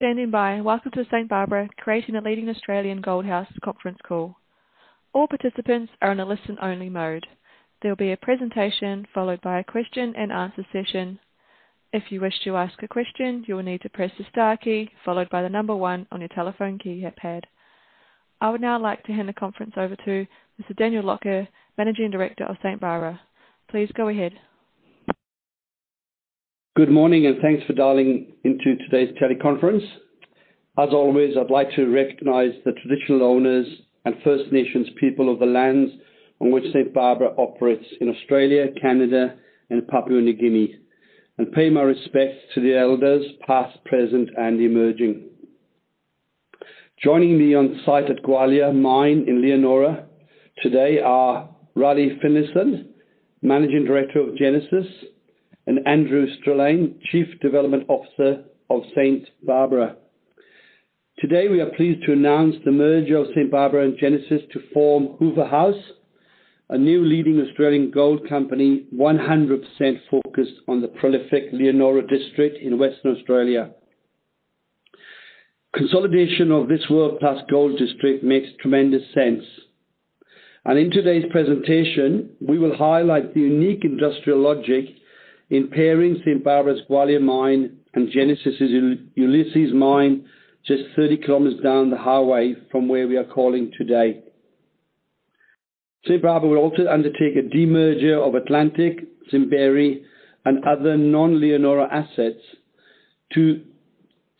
Welcome to St Barbara, creating a leading Australian gold house conference call. All participants are on a listen only mode. There will be a presentation followed by a question and answer session. If you wish to ask a question, you will need to press the star key followed by one on your telephone key keypad. I would now like to hand the conference over to Mr. Daniel Lougher, Managing Director of St Barbara. Please go ahead. Good morning, thanks for dialing into today's teleconference. As always, I'd like to recognize the traditional owners and First Nations people of the lands on which St Barbara operates in Australia, Canada, and Papua New Guinea, and pay my respects to the elders, past, present, and emerging. Joining me on site at Gwalia mine in Leonora today are Raleigh Finlayson, Managing Director of Genesis, and Andrew Strelein, Chief Development Officer of St Barbara. Today, we are pleased to announce the merger of St Barbara and Genesis to form Hoover House, a new leading Australian gold company, 100% focused on the prolific Leonora district in Western Australia. Consolidation of this world plus gold district makes tremendous sense. In today's presentation, we will highlight the unique industrial logic in pairing St. Barbara's Gwalia Mine and Genesis's Ulysses Mine, just 30 km down the highway from where we are calling today. St Barbara will also undertake a demerger of Atlantic, Simberi, and other non-Leonora assets to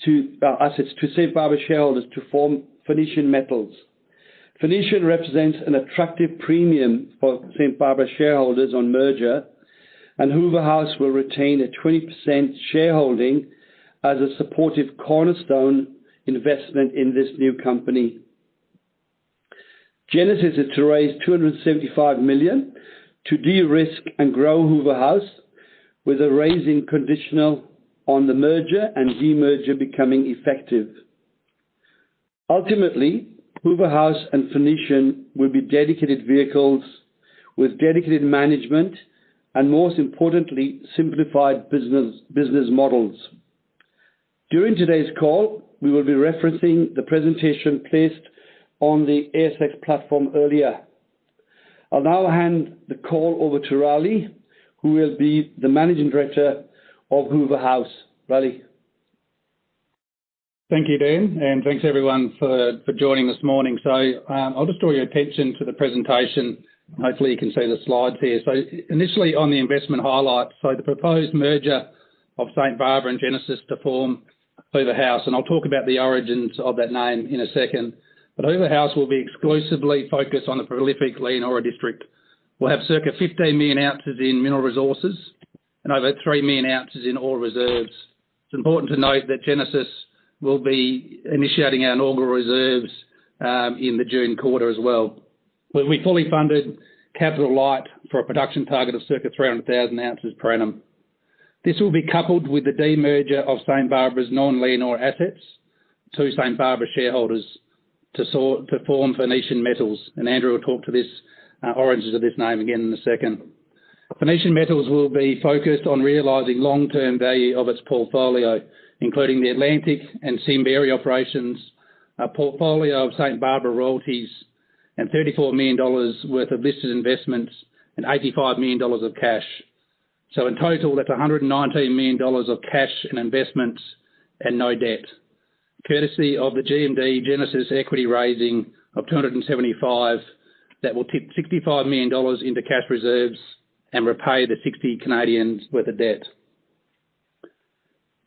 St Barbara shareholders to form Phoenician Metals. Phoenician represents an attractive premium for St Barbara shareholders on merger, Hoover House will retain a 20% shareholding as a supportive cornerstone investment in this new company. Genesis is to raise 275 million to de-risk and grow Hoover House with a raising conditional on the merger and demerger becoming effective. Ultimately, Hoover House and Phoenician will be dedicated vehicles with dedicated management and, most importantly, simplified business models. During today's call, we will be referencing the presentation placed on the ASX platform earlier. I'll now hand the call over to Raleigh, who will be the managing director of Hoover House. Raleigh? Thank you, Dan, and thanks, everyone, for joining this morning. I'll just draw your attention to the presentation. Hopefully, you can see the slides here. Initially, on the investment highlights, the proposed merger of St Barbara and Genesis to form Hoover House. I'll talk about the origins of that name in a second. Hoover House will be exclusively focused on the prolific Leonora district. We'll have circa 15 million ounces in mineral resources and over 3 million ounces in ore reserves. It's important to note that Genesis will be initiating our inaugural reserves in the June quarter as well. We'll be fully funded, capital light for a production target of circa 300,000 ounces per annum. This will be coupled with the demerger of St Barbara's non-Leonora assets to St Barbara shareholders to form Phoenician Metals. Andrew will talk to this origins of this name again in a second. Phoenician Metals will be focused on realizing long-term value of its portfolio, including the Atlantic and Simberi operations, a portfolio of St. Barbara royalties and $34 million worth of listed investments and $85 million of cash. In total, that's $119 million of cash and investments and no debt. Courtesy of the GMD Genesis equity raising of 275 million, that will tip $65 million into cash reserves and repay the 60 million worth of debt.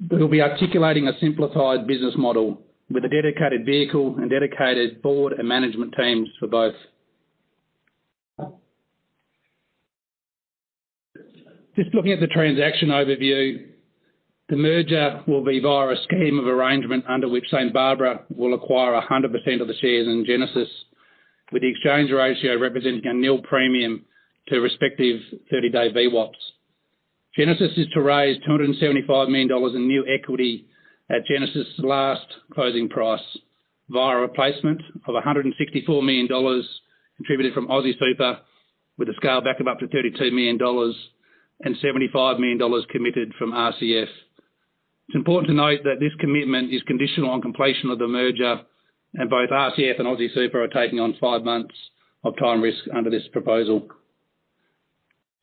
We'll be articulating a simplified business model with a dedicated vehicle and dedicated board and management teams for both. Looking at the transaction overview, the merger will be via a scheme of arrangement under which St. Barbara will acquire 100% of the shares in Genesis, with the exchange ratio representing a nil premium to respective 30-day VWAPs. Genesis is to raise 275 million dollars in new equity at Genesis' last closing price via replacement of 164 million dollars contributed from AustralianSuper, with a scaleback of up to 32 million dollars and 75 million dollars committed from RCF. It's important to note that this commitment is conditional on completion of the merger, and both RCF and AustralianSuper are taking on five months of time risk under this proposal.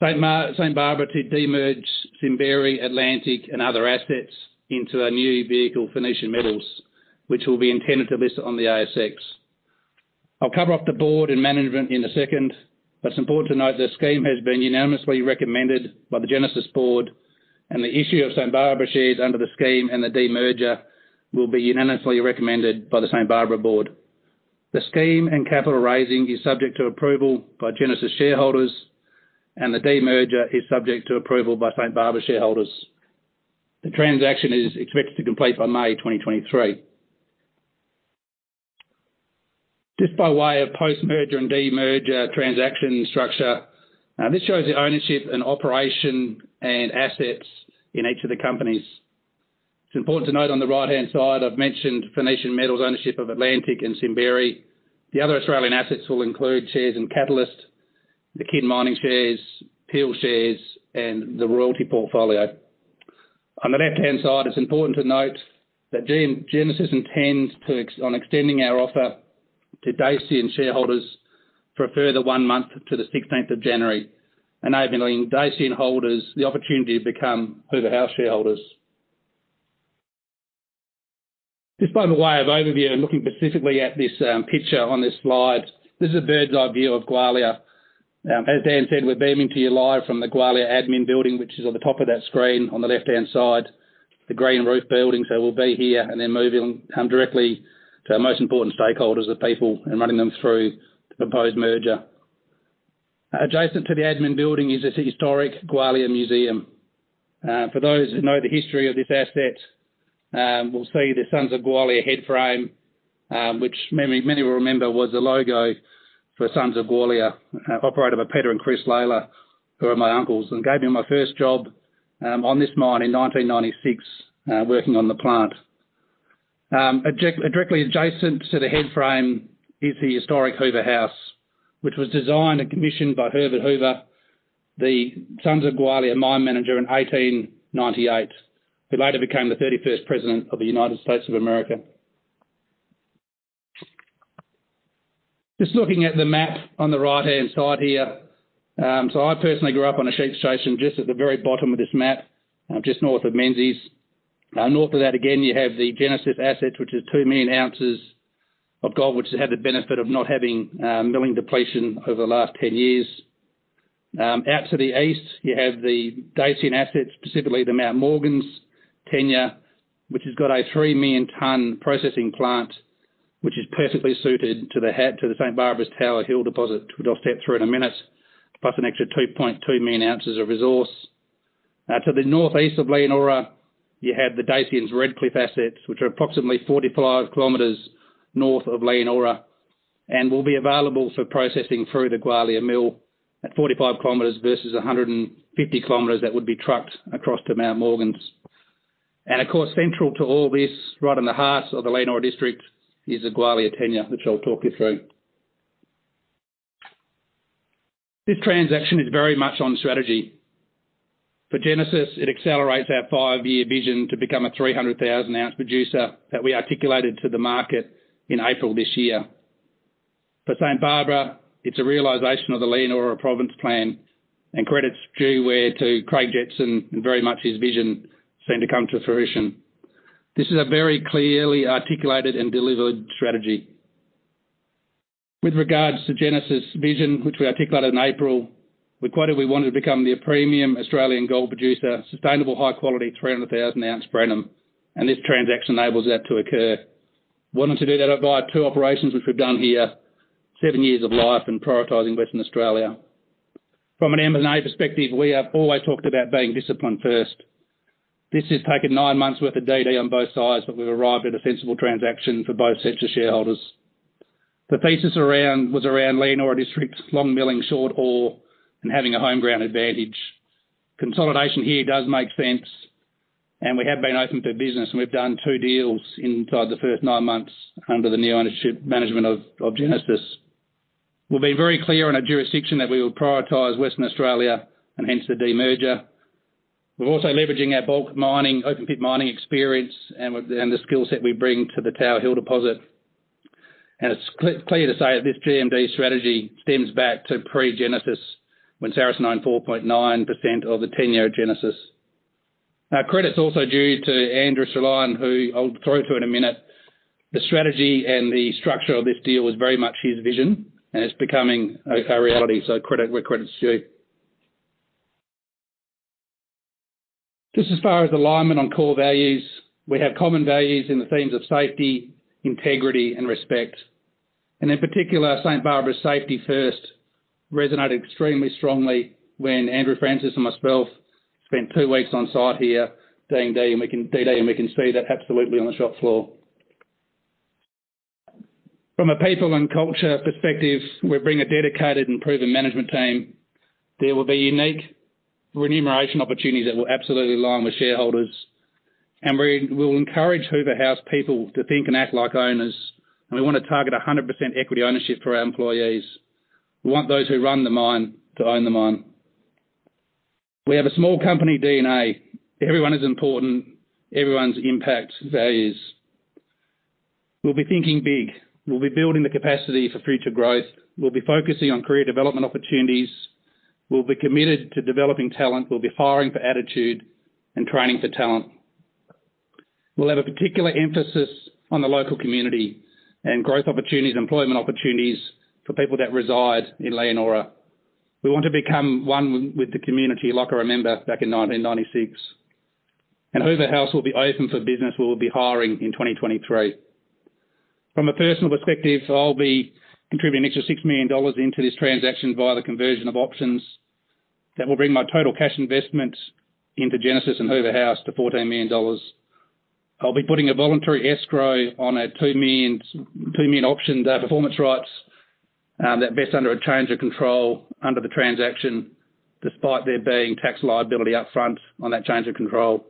St Barbara to demerge Simberi, Atlantic, and other assets into a new vehicle, Phoenician Metals, which will be intended to list on the ASX. I'll cover off the board and management in one second, but it's important to note the scheme has been unanimously recommended by the Genesis board and the issue of St Barbara shares under the scheme and the demerger will be unanimously recommended by the St Barbara board. The scheme and capital raising is subject to approval by Genesis shareholders, and the demerger is subject to approval by St Barbara shareholders. The transaction is expected to complete by May 2023. Just by way of post-merger and demerger transaction structure, this shows the ownership and operation and assets in each of the companies. It's important to note on the right-hand side, I've mentioned Phoenician Metals' ownership of Atlantic and Simberi. The other Australian assets will include shares in Catalyst, Kin Mining shares, Peel shares, and the royalty portfolio. On the left-hand side, it's important to note that Genesis intends on extending our offer to Dacian shareholders for a further 1 month to the 16th of January, enabling Dacian holders the opportunity to become Hoover House shareholders. Just by way of overview and looking specifically at this picture on this slide, this is a bird's eye view of Gwalia. As Dan said, we're beaming to you live from the Gwalia admin building, which is on the top of that screen on the left-hand side, the green roof building. We'll be here and then moving directly to our most important stakeholders, the people, and running them through the proposed merger. Adjacent to the admin building is this historic Gwalia Museum. For those who know the history of this asset, will see the Sons of Gwalia headframe, which many will remember was the logo for Sons of Gwalia, operated by Peter and Chris Lalor, who are my uncles, and gave me my first job on this mine in 1996, working on the plant. Directly adjacent to the headframe is the historic Hoover House, which was designed and commissioned by Herbert Hoover, the Sons of Gwalia mine manager in 1898. He later became the 31st president of the United States of America. Just looking at the map on the right-hand side here. I personally grew up on a sheep station just at the very bottom of this map, just north of Menzies. North of that, again, you have the Genesis assets, which is 2 million ounces of gold, which has had the benefit of not having milling depletion over the last 10 years. Out to the east, you have the Dacian assets, specifically the Mount Morgans tenure, which has got a 3 million ton processing plant, which is perfectly suited to the St. Barbara's Tower Hill deposit, which I'll step through in a minute, plus an extra 2.2 million ounces of resource. To the northeast of Leonora, you have the Dacian's Redcliffe assets, which are approximately 45 kilometers north of Leonora and will be available for processing through the Gwalia Mill at 45 kilometers versus 150 kilometers that would be trucked across to Mount Morgans. Of course, central to all this, right in the heart of the Leonora District, is the Gwalia tenure, which I'll talk you through. This transaction is very much on strategy. For Genesis, it accelerates our five-year vision to become a 300,000 ounce producer that we articulated to the market in April this year. For St Barbara, it's a realization of the Leonora Province plan, and credit's due to Craig Jetson and very much his vision soon to come to fruition. This is a very clearly articulated and delivered strategy. With regards to Genesis vision, which we articulated in April, we quoted we wanted to become the premium Australian gold producer, sustainable high quality, 300,000 ounce per annum, and this transaction enables that to occur. Wanted to do that via two operations, which we've done here, seven years of life and prioritizing Western Australia. From an M&A perspective, we have always talked about being disciplined first. This has taken 9 months worth of DD on both sides, but we've arrived at a sensible transaction for both sets of shareholders. The thesis was around Leonora District, long milling, short ore, and having a home ground advantage. Consolidation here does make sense, and we have been open for business, and we've done 2 deals inside the first 9 months under the new ownership management of Genesis. We've been very clear in our jurisdiction that we will prioritize Western Australia and hence the demerger. We're also leveraging our bulk mining, open pit mining experience and the skill set we bring to the Tower Hill deposit. It's clear to say that this GMD strategy stems back to pre-Genesis when Saracen owned 4.9% of the tenure Genesis. Credit is also due to Andrew Strelein, who I'll go through in 1 minute. The strategy and the structure of this deal was very much his vision, and it's becoming a reality, so credit where credit's due. Just as far as alignment on core values, we have common values in the themes of safety, integrity, and respect. In particular, St Barbara's safety first resonated extremely strongly when Andrew Francis and myself spent 2 weeks on-site here DD-ing, and we can see that absolutely on the shop floor. From a people and culture perspective, we bring a dedicated and proven management team. There will be unique remuneration opportunities that will absolutely align with shareholders. We'll encourage Hoover House people to think and act like owners. We wanna target 100% equity ownership for our employees. We want those who run the mine to own the mine. We have a small company DNA. Everyone is important. Everyone's impact values. We'll be thinking big. We'll be building the capacity for future growth. We'll be focusing on career development opportunities. We'll be committed to developing talent. We'll be hiring for attitude and training for talent. We'll have a particular emphasis on the local community and growth opportunities, employment opportunities for people that reside in Leonora. We want to become one with the community like I remember back in 1996. Hoover House will be open for business. We will be hiring in 2023. From a personal perspective, I'll be contributing an extra 6 million dollars into this transaction via the conversion of options. That will bring my total cash investment into Genesis and Hoover House to 14 million dollars. I'll be putting a voluntary escrow on a 2 million option, performance rights, that vest under a change of control under the transaction, despite there being tax liability up front on that change of control.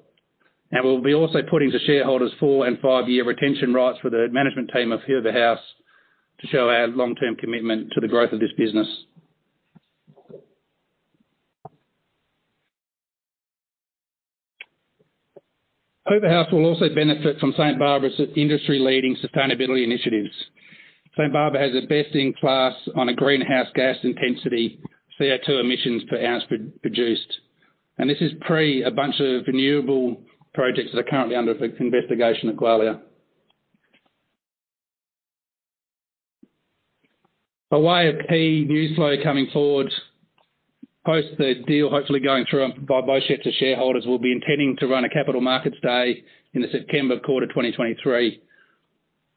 We'll be also putting to shareholders four and five-year retention rights for the management team of Hoover House to show our long-term commitment to the growth of this business. Hoover House will also benefit from St. Barbara's industry-leading sustainability initiatives. St. Barbara has the best in class on a greenhouse gas intensity, CO2 emissions per ounce pro-produced. This is pre a bunch of renewable projects that are currently under investigation at Gwalia. A way of key newsflow coming forward, post the deal, hopefully going through by both sets of shareholders, we'll be intending to run a capital markets day in the September quarter, 2023.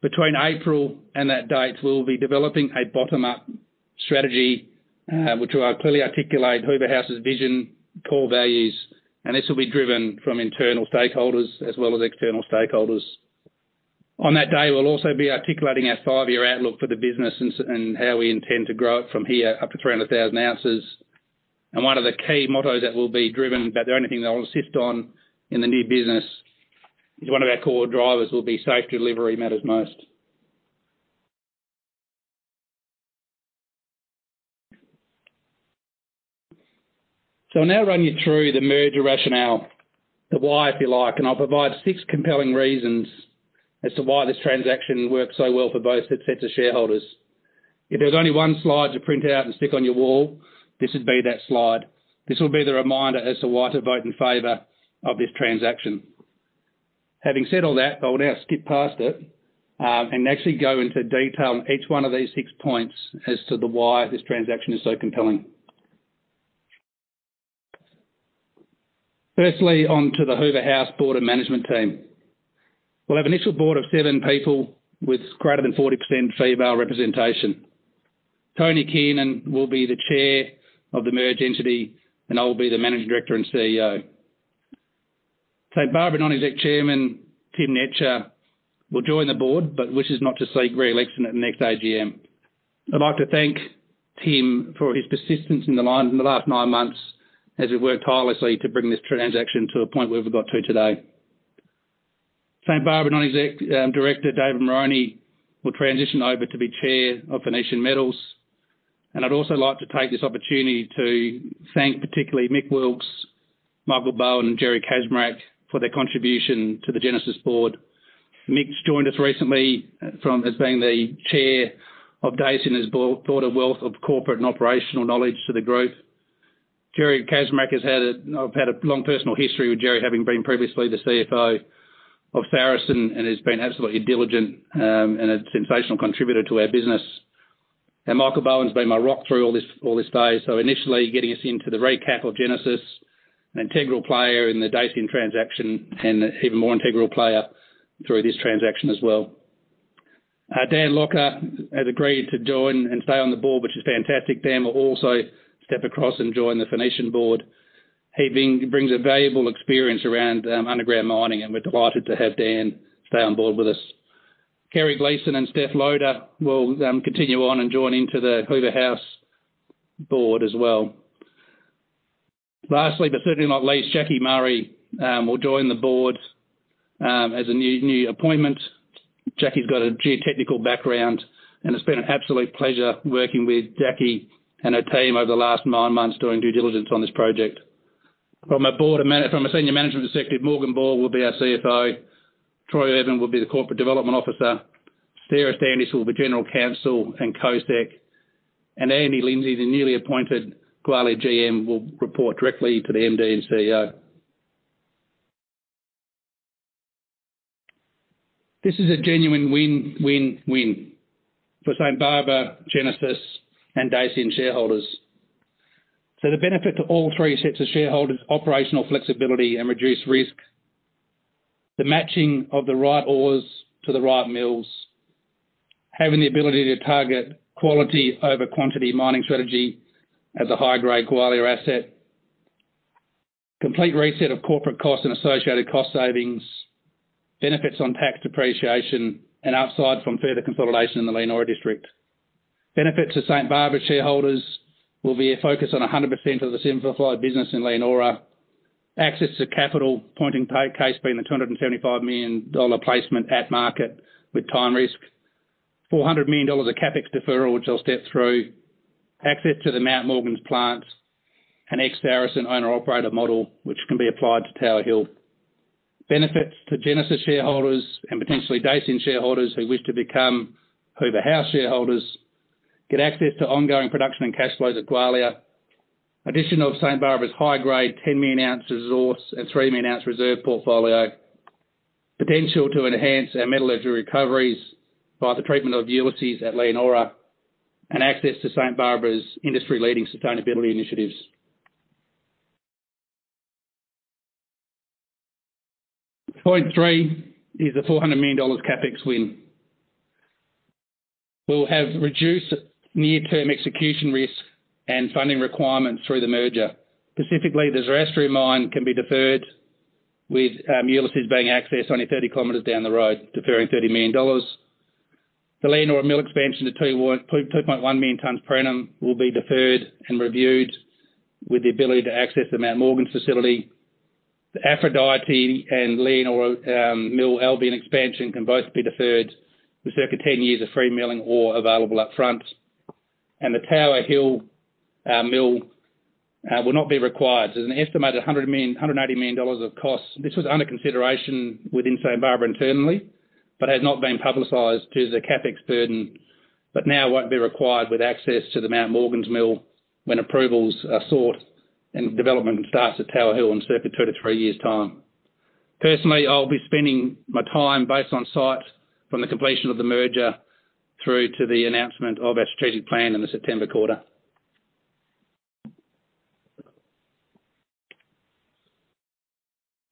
Between April and that date, we'll be developing a bottom-up strategy, which will clearly articulate Hoover House's vision, core values, and this will be driven from internal stakeholders as well as external stakeholders. On that day, we'll also be articulating our five-year outlook for the business and how we intend to grow it from here up to 300,000 ounces. One of the key mottos that will be driven, but the only thing that I'll insist on in the new business, is one of our core drivers will be safe delivery matters most. I'll now run you through the merger rationale, the why, if you like, and I'll provide six compelling reasons as to why this transaction works so well for both the sets of shareholders. If there's only one slide to print out and stick on your wall, this would be that slide. This will be the reminder as to why to vote in favor of this transaction. Having said all that, I will now skip past it, and actually go into detail on each one of these six points as to the why this transaction is so compelling. Firstly, on to the Hoover House board and management team. We'll have initial board of seven people with greater than 40% female representation. Tony Kiernan will be the chair of the merged entity, and I will be the managing director and CEO. St Barbara non-exec chairman, Tim Netscher, will join the board, but wishes not to seek re-election at the next AGM. I'd like to thank Tim for his persistence in the last 9 months as he worked tirelessly to bring this transaction to a point where we've got to today. St. Barbara non-exec director, David Moroney, will transition over to be chair of Phoenician Metals. I'd also like to take this opportunity to thank particularly Mick Wilkes, Michael Bowen, and Gerry Kaczmarek for their contribution to the Genesis board. Mick's joined us recently from as being the chair of Dacian, has brought a wealth of corporate and operational knowledge to the group. Gerry Kaczmarek, I've had a long personal history with Gerry, having been previously the CFO of Saracen, and has been absolutely diligent and a sensational contributor to our business. Michael Bowen's been my rock through all this day. Initially, getting us into the recapitalize of Genesis, an integral player in the Dacian transaction, and even more integral player through this transaction as well. Dan Lougher has agreed to join and stay on the board, which is fantastic. Dan will also step across and join the Phoenician board. He brings a valuable experience around underground mining, and we're delighted to have Dan stay on board with us. Kerry Gleeson and Stef Loader will continue on and join into the Hoover House board as well. Lastly, but certainly not least, Jackie Murray will join the board as a new appointment. Jackie's got a geotechnical background, and it's been an absolute pleasure working with Jackie and her team over the last nine months doing due diligence on this project. From a senior management perspective, Morgan Ball will be our CFO, Troy Irvin will be the Corporate Development Officer, Sarah Standish will be General Counsel and COSEC, and Andy Lindsay, the newly appointed Gwalia GM, will report directly to the MD and CEO. This is a genuine win, win for St Barbara, Genesis, and Dacian shareholders. The benefit to all three sets of shareholders, operational flexibility and reduced risk. The matching of the right ores to the right mills. Having the ability to target quality over quantity mining strategy as a high-grade Gwalia asset. Complete reset of corporate costs and associated cost savings, benefits on tax depreciation and upside from further consolidation in the Leonora district. Benefits to St Barbara shareholders will be a focus on 100% of the simplified business in Leonora. Access to capital, pointing case being the 275 million dollar placement at market with time risk. 400 million dollars of CapEx deferral, which I'll step through. Access to the Mount Morgan's plant, an ex-Saracen owner operator model, which can be applied to Tower Hill. Benefits to Genesis shareholders and potentially Dacian shareholders who wish to become Hoover House shareholders. Get access to ongoing production and cash flows at Gwalia. Addition of St Barbara's high-grade 10 million ounce resource and 3 million ounce reserve portfolio. Potential to enhance our metallurgy recoveries by the treatment of Ulysses at Leonora. Access to St Barbara's industry-leading sustainability initiatives. Point three is an 400 million dollars CapEx win. We'll have reduced near-term execution risk and funding requirements through the merger. Specifically, the Zoroastrian mine can be deferred with Ulysses being accessed only 30 kilometers down the road, deferring 30 million dollars. The Leonora mill expansion to 2.1 million tonnes per annum will be deferred and reviewed with the ability to access the Mount Morgan facility. The Aphrodite and Leonora mill Albion expansion can both be deferred with circa 10 years of free milling ore available up front. The Tower Hill mill will not be required. There's an estimated AUD 100 million, 180 million dollars of costs. This was under consideration within St Barbara internally, but has not been publicized to the CapEx burden. Now won't be required with access to the Mount Morgan's mill when approvals are sought and development starts at Tower Hill in circa two to three years' time. Personally, I'll be spending my time based on site from the completion of the merger through to the announcement of our strategic plan in the September quarter.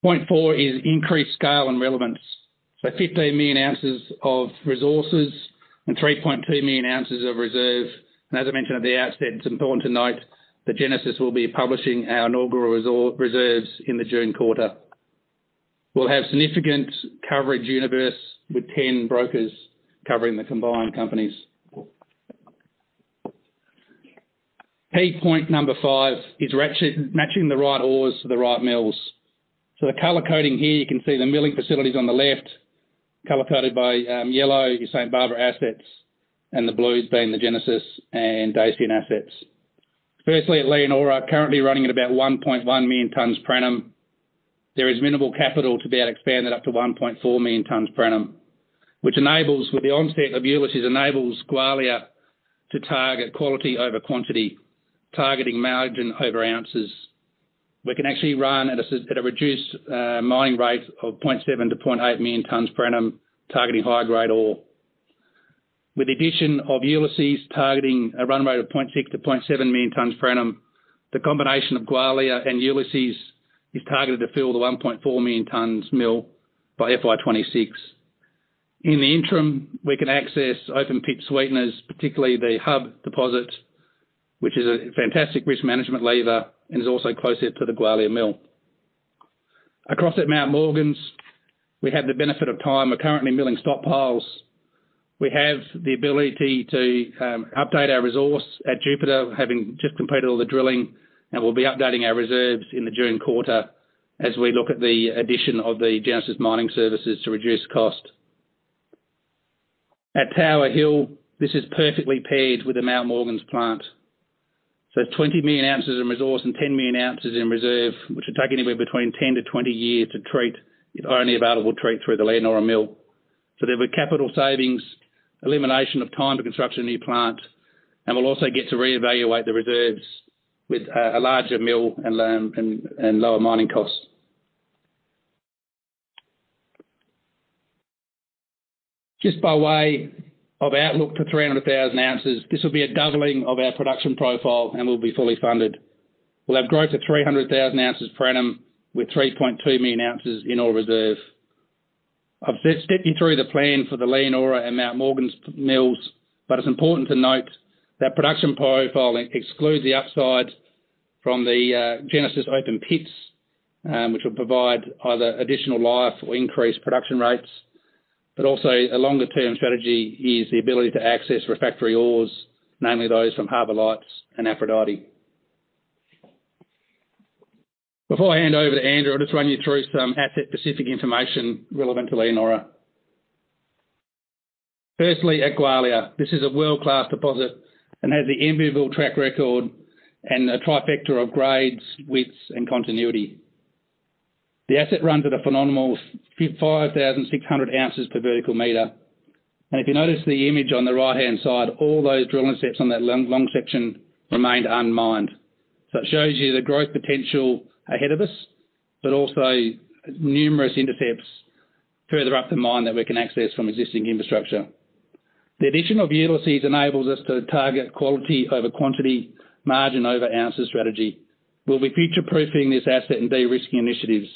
Point 4 is increased scale and relevance. 15 million ounces of resources and 3.2 million ounces of reserve. As I mentioned at the outset, it's important to note that Genesis will be publishing our inaugural reserves in the June quarter. We'll have significant coverage universe with 10 brokers covering the combined companies. Key point number five is matching the right ores to the right mills. The color coding here, you can see the milling facilities on the left, color-coded by yellow, your St Barbara assets, and the blues being the Genesis and Dacian assets. Firstly, at Leonora, currently running at about 1.1 million tonnes per annum. There is minimal capital to be able to expand that up to 1.4 million tonnes per annum, which enables, with the onset of Ulysses, enables Gwalia to target quality over quantity, targeting margin over ounces. We can actually run at a reduced mining rate of 0.7-0.8 million tonnes per annum, targeting high-grade ore. With the addition of Ulysses targeting a run rate of 0.6-0.7 million tonnes per annum, the combination of Gwalia and Ulysses is targeted to fill the 1.4 million tonnes mill by FY2026. In the interim, we can access open pit sweeteners, particularly the Hub deposit, which is a fantastic risk management lever and is also closer to the Gwalia Mill. Across at Mount Morgans, we have the benefit of time. We're currently milling stockpiles. We have the ability to update our resource at Jupiter, having just completed all the drilling, and we'll be updating our reserves in the June quarter as we look at the addition of the Genesis Mining Services to reduce cost. At Tower Hill, this is perfectly paired with the Mount Morgans plant. 20 million ounces in resource and 10 million ounces in reserve, which would take anywhere between 10-20 years to treat if only available to treat through the Leonora mill. There'll be capital savings, elimination of time to construct a new plant, and we'll also get to reevaluate the reserves with a larger mill and lower mining costs. Just by way of outlook for 300,000 ounces, this will be a doubling of our production profile and will be fully funded. We'll have growth to 300,000 ounces per annum with 3.2 million ounces in ore reserve. I've stepped you through the plan for the Leonora and Mount Morgans mills, it's important to note that production profiling excludes the upside from the Genesis open pits, which will provide either additional life or increased production rates. Also a longer term strategy is the ability to access refractory ores, namely those from Harbour Lights and Aphrodite. Before I hand over to Andrew, I'll just run you through some asset-specific information relevant to Leonora. Firstly, at Gwalia, this is a world-class deposit and has the enviable track record and a trifecta of grades, widths, and continuity. The asset runs at a phenomenal 5,600 ounces per vertical meter. If you notice the image on the right-hand side, all those drilling sets on that long section remained unmined. It shows you the growth potential ahead of us, but also numerous intercepts further up the mine that we can access from existing infrastructure. The addition of Ulysses enables us to target quality over quantity, margin over ounces strategy. We'll be future-proofing this asset and de-risking initiatives.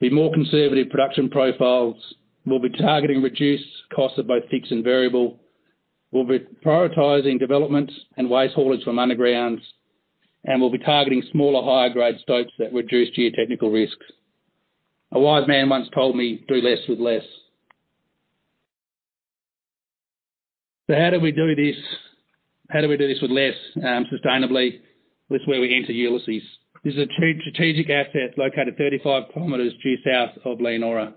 The more conservative production profiles will be targeting reduced costs of both fixed and variable. We'll be prioritizing developments and waste haulage from underground, and we'll be targeting smaller, higher grade stopes that reduce geotechnical risks. A wise man once told me, "Do less with less." How do we do this, how do we do this with less, sustainably? This is where we enter Ulysses. This is a two strategic asset located 35 kilometers due south of Leonora.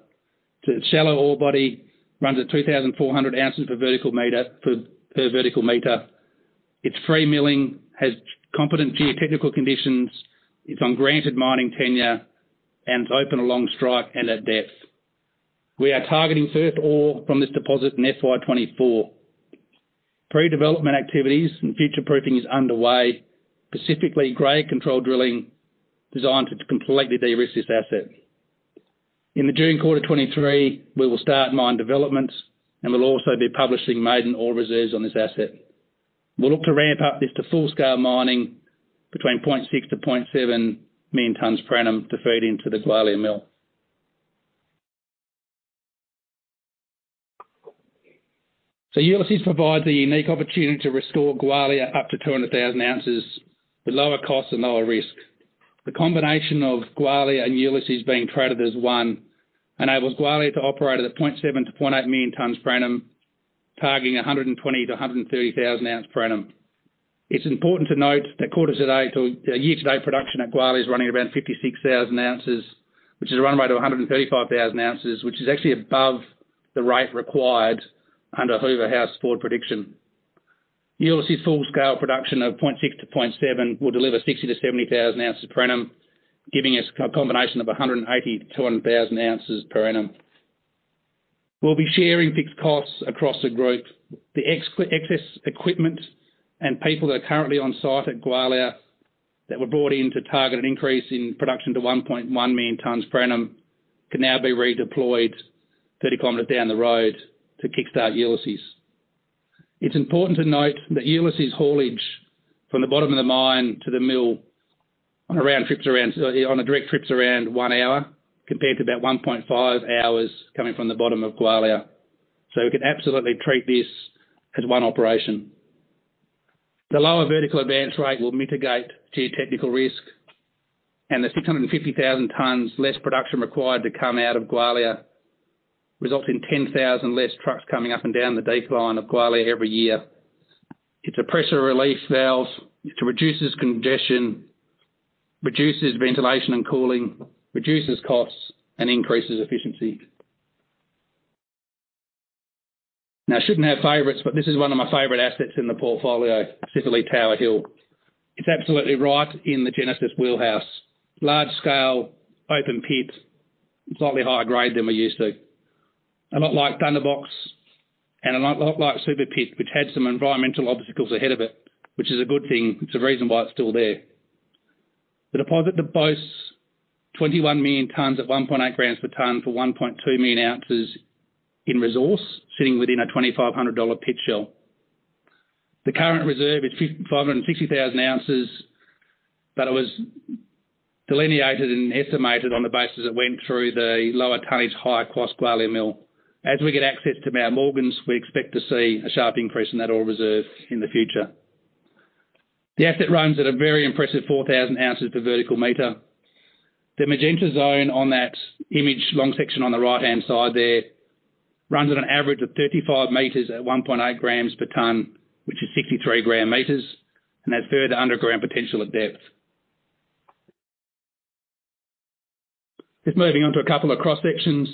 It's a shallow ore body, runs at 2,400 ounces per vertical meter, per vertical meter. It's free milling, has competent geotechnical conditions. It's on granted mining tenure and it's open along strike and at depth. We are targeting first ore from this deposit in FY 2024. Pre-development activities and future-proofing is underway, specifically grade control drilling designed to completely de-risk this asset. In the June quarter 2023, we will start mine developments, and we'll also be publishing maiden ore reserves on this asset. We'll look to ramp up this to full scale mining between 0.6-0.7 million tons per annum to feed into the Gwalia Mill. Ulysses provides a unique opportunity to restore Gwalia up to 200,000 ounces with lower cost and lower risk. The combination of Gwalia and Ulysses being treated as one enables Gwalia to operate at 0.7-0.8 million tons per annum, targeting 120,000-130,000 ounce per annum. It's important to note that quarters to date or year-to-date production at Gwalia is running around 56,000 ounces, which is a run rate of 135,000 ounces, which is actually above the rate required under Hoover House forward prediction. Ulysses' full-scale production of 0.6-0.7 will deliver 60,000-70,000 ounce per annum, giving us a combination of 180,000-200,000 ounces per annum. We'll be sharing fixed costs across the group. The excess equipment and people that are currently on site at Gwalia that were brought in to target an increase in production to 1.1 million tons per annum can now be redeployed 30 kilometers down the road to kickstart Ulysses. It's important to note that Ulysses' haulage from the bottom of the mine to the mill on a round trip's around, on a direct trip's around one hour, compared to about 1.5 hours coming from the bottom of Gwalia. We can absolutely treat this as one operation. The lower vertical advance rate will mitigate geotechnical risk, the 650,000 tons less production required to come out of Gwalia results in 10,000 less trucks coming up and down the decline of Gwalia every year. It's a pressure relief valve, it reduces congestion, reduces ventilation and cooling, reduces costs, and increases efficiency. I shouldn't have favorites, but this is one of my favorite assets in the portfolio, specifically Tower Hill. It's absolutely right in the Genesis wheelhouse. Large scale, open pit, slightly higher grade than we're used to. A lot like Thunderbox, and a lot like Super Pit, which had some environmental obstacles ahead of it, which is a good thing. It's the reason why it's still there. The deposit boasts 21 million tons at 1.8 grams per ton, for 1.2 million ounces in resource, sitting within an 2,500 dollar pit shell. The current reserve is 560,000 ounces, but it was delineated and estimated on the basis it went through the lower tonnage, higher cost Gwalia mill. As we get access to Mount Morgans, we expect to see a sharp increase in that ore reserve in the future. The asset runs at a very impressive 4,000 ounces per vertical meter. The magenta zone on that image long section on the right-hand side there runs at an average of 35 meters at 1.8 grams per ton, which is 63 gram meters, and has further underground potential at depth. Moving on to a couple of cross-sections.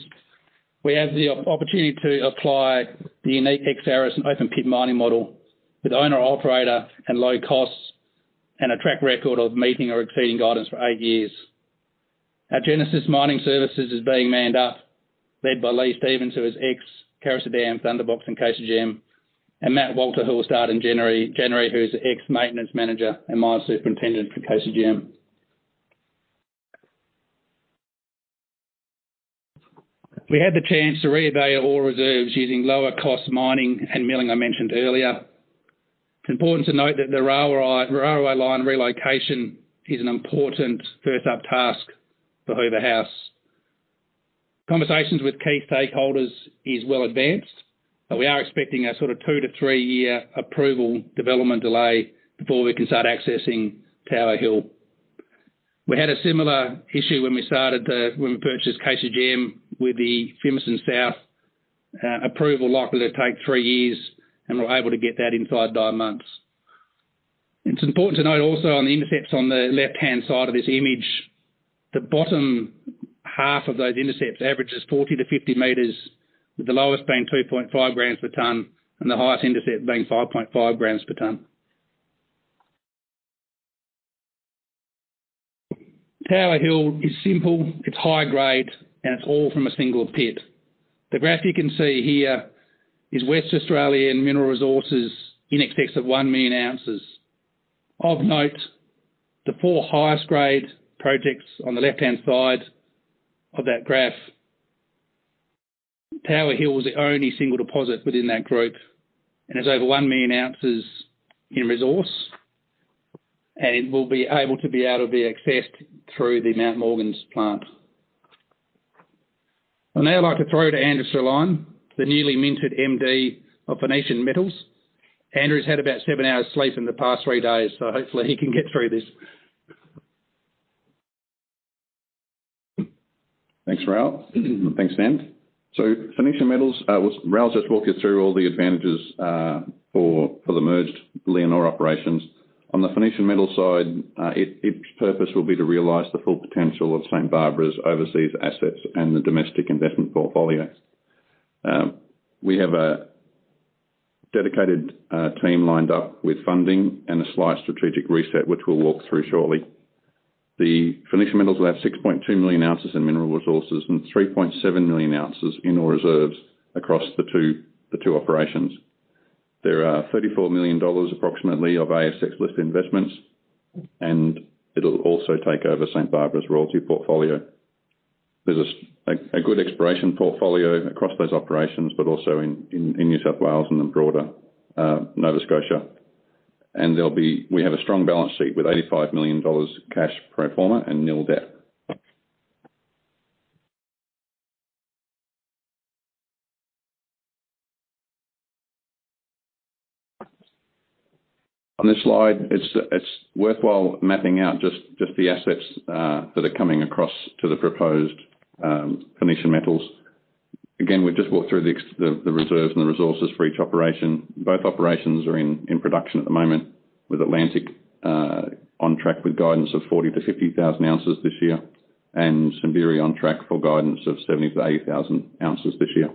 We have the opportunity to apply the unique Saracen open pit mining model with owner/operator and low costs, and a track record of meeting or exceeding guidance for eight years. Our Genesis Mining Services is being manned up, led by Lee Stevens, who is ex-Karaseba, Thunderbox, and Carosue Dam, and Matt Walter, who will start in January, who's ex-maintenance manager and mine superintendent for Carosue Dam. We had the chance to re-evaluate ore reserves using lower cost mining and milling I mentioned earlier. It's important to note that the railway line relocation is an important first up task for Hoover House. Conversations with key stakeholders is well advanced, but we are expecting a sort of two to three-year approval development delay before we can start accessing Tower Hill. We had a similar issue when we started, when we purchased Dacian with the Thompsons South approval likely to take three years, and we were able to get that inside nine months. It's important to note also on the intercepts on the left-hand side of this image, the bottom half of those intercepts averages 40 to 50 meters, with the lowest being 2.5 grams per ton and the highest intercept being 5.5 grams per ton. Tower Hill is simple, it's high grade, and it's all from a single pit. The graph you can see here is West Australian mineral resources in excess of 1 million ounces. Of note, the four highest grade projects on the left-hand side of that graph. Tower Hill was the only single deposit within that group, and has over 1 million ounces in resource and will be able to be accessed through the Mount Morgans plant. I'd now like to throw to Andrew Strelein, the newly minted MD of Phoenician Metals. Andrew's had about seven hours sleep in the past three days, hopefully he can get through this. Thanks, Ralph. Thanks, Dan. Phoenician Metals just walked you through all the advantages for the merged Leonora operations. On the Phoenician Metals side, its purpose will be to realize the full potential of St Barbara's overseas assets and the domestic investment portfolio. We have a dedicated team lined up with funding and a slight strategic reset, which we'll walk through shortly. The Phoenician Metals will have 6.2 million ounces in mineral resources and 3.7 million ounces in ore reserves across the two operations. There are 34 million dollars approximately of ASX listed investments, it'll also take over St Barbara's royalty portfolio. There's a good exploration portfolio across those operations, but also in New South Wales and the broader Nova Scotia. There'll be. We have a strong balance sheet with AUD 85 million cash pro forma and nil debt. On this slide, it's worthwhile mapping out just the assets that are coming across to the proposed Phoenician Metals. Again, we've just walked through the reserves and the resources for each operation. Both operations are in production at the moment, with Atlantic on track with guidance of 40,000 ounces-50,000 ounces this year. Simberi on track for guidance of 70,000 ounces-80,000 ounces this year.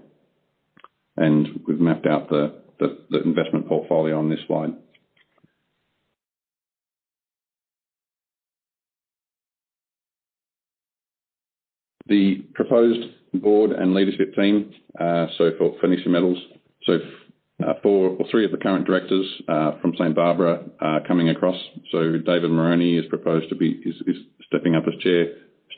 We've mapped out the investment portfolio on this slide. The proposed board and leadership team, so for Phoenician Metals, so four or three of the current directors from St Barbara are coming across. David Moroney is proposed to be stepping up as chair.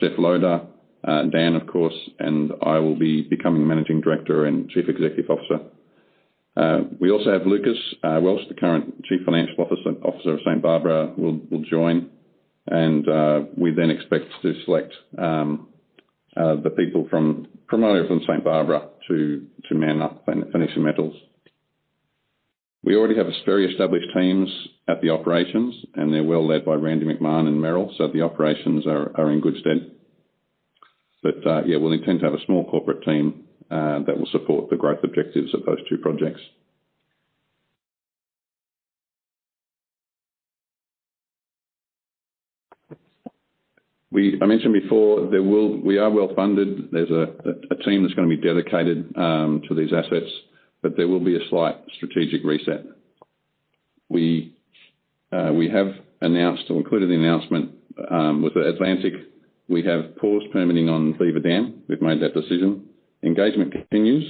Stef Loader, Dan, of course, and I will be becoming Managing Director and Chief Executive Officer. We also have Lucas Welsh, the current Chief Financial Officer of St Barbara will join. We then expect to select the people from, primarily from St Barbara to man up Phoenician Metals. We already have very established teams at the operations, and they're well led by Randy McMahon and Merrill, so the operations are in good stead. Yeah, we'll intend to have a small corporate team that will support the growth objectives of those two projects. I mentioned before, We are well-funded. There's a team that's gonna be dedicated to these assets, but there will be a slight strategic reset. We have announced or included the announcement with Atlantic. We have paused permitting on Beaver Dam. We've made that decision. Engagement continues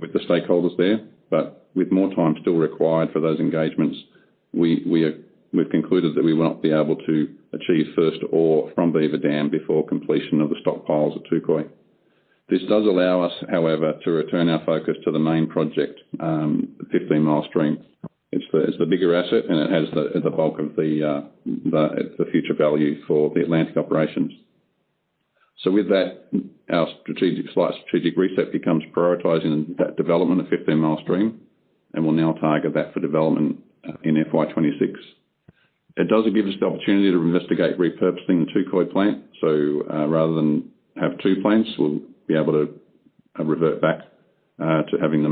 with the stakeholders there. With more time still required for those engagements, we've concluded that we will not be able to achieve first ore from Beaver Dam before completion of the stockpiles at Touquoy. This does allow us, however, to return our focus to the main project, 15 Mile Stream. It's the bigger asset, and it has the bulk of the future value for the Atlantic operations. With that, our slight strategic reset becomes prioritizing that development of 15 Mile Stream, and we'll now target that for development in FY 26. It does give us the opportunity to investigate repurposing the Touquoy plant. Rather than have two plants, we'll be able to revert back to having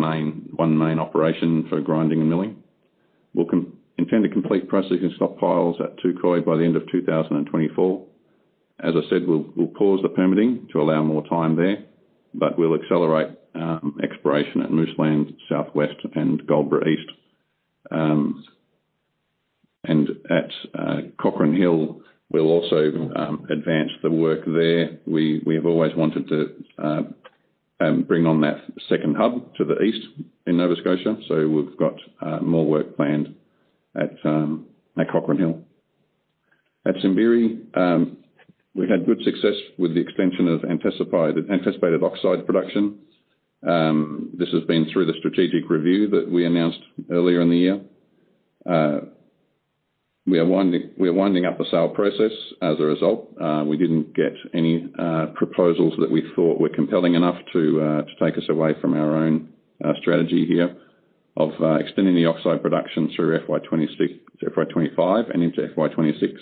one main operation for grinding and milling. We'll intend to complete processing stockpiles at Touquoy by the end of 2024. As I said, we'll pause the permitting to allow more time there, but we'll accelerate exploration at Mooseland Southwest and Goldboro East. And at Cochrane Hill, we'll also advance the work there. We have always wanted to bring on that second hub to the east in Nova Scotia, we've got more work planned at Cochrane Hill. At Simberi, we had good success with the extension of anticipated oxide production. This has been through the strategic review that we announced earlier in the year. We are winding up the sale process as a result. We didn't get any proposals that we thought were compelling enough to take us away from our own strategy here of extending the oxide production through FY 2025 and into FY 2026.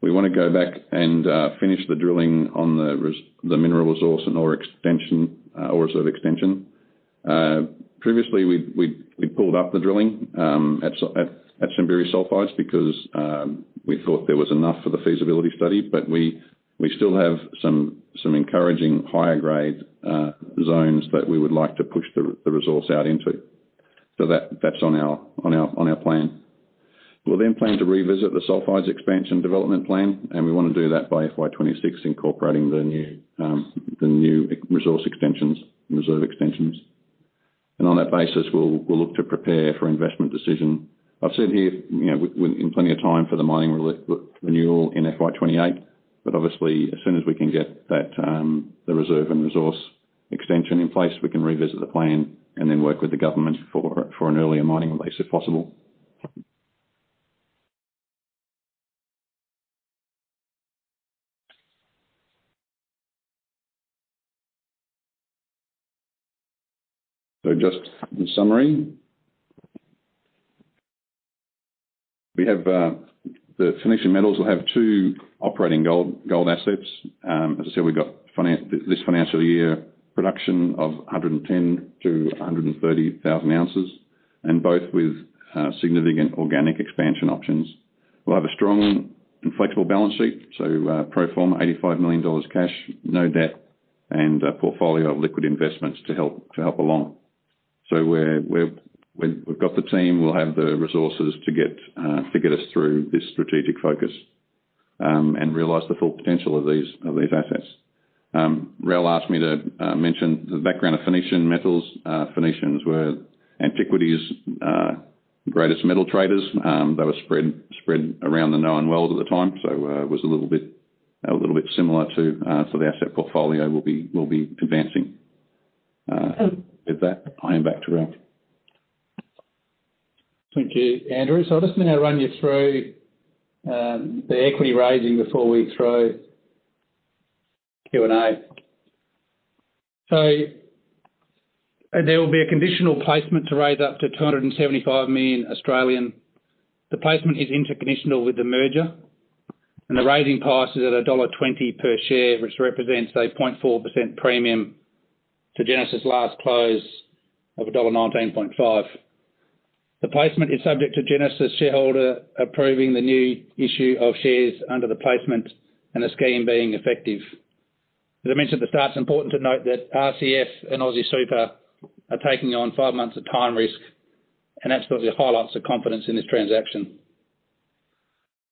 We wanna go back and finish the drilling on the mineral resource and ore extension, ore reserve extension. Previously, we pulled up the drilling at Simberi sulfides because we thought there was enough for the feasibility study. We still have some encouraging higher grade zones that we would like to push the resource out into. That's on our plan. We'll plan to revisit the sulfides expansion development plan, we wanna do that by FY 2026, incorporating the new resource extensions and reserve extensions. On that basis, we'll look to prepare for investment decision. I've said here, you know, in plenty of time for the mining renewal in FY 2028, obviously, as soon as we can get that, the reserve and resource extension in place, we can revisit the plan and then work with the government for an earlier mining release if possible. Just in summary. We have the Phoenician Metals will have two operating gold assets. As I said, we've got this financial year production of 110,000-130,000 ounces, both with significant organic expansion options. We'll have a strong and flexible balance sheet, pro forma, 85 million dollars cash, no debt, and a portfolio of liquid investments to help along. We've got the team, we'll have the resources to get us through this strategic focus and realize the full potential of these assets. Rel asked me to mention the background of Phoenician Metals. Phoenicians were antiquity's greatest metal traders. They were spread around the known world at the time. It was a little bit similar to the asset portfolio we'll be advancing. With that, I hand back to Ral. Thank you, Andrew. I'll just now run you through the equity raising before we throwQ&A. There will be a conditional placement to raise up to 275 million. The placement is interconditional with the merger, and the raising price is at dollar 1.20 per share, which represents a 0.4% premium to Genesis' last close of dollar 1.195. The placement is subject to Genesis shareholder approving the new issue of shares under the placement and the scheme being effective. As I mentioned at the start, it's important to note that RCF and AustralianSuper are taking on five months of time risk, and that's because we have high levels of confidence in this transaction.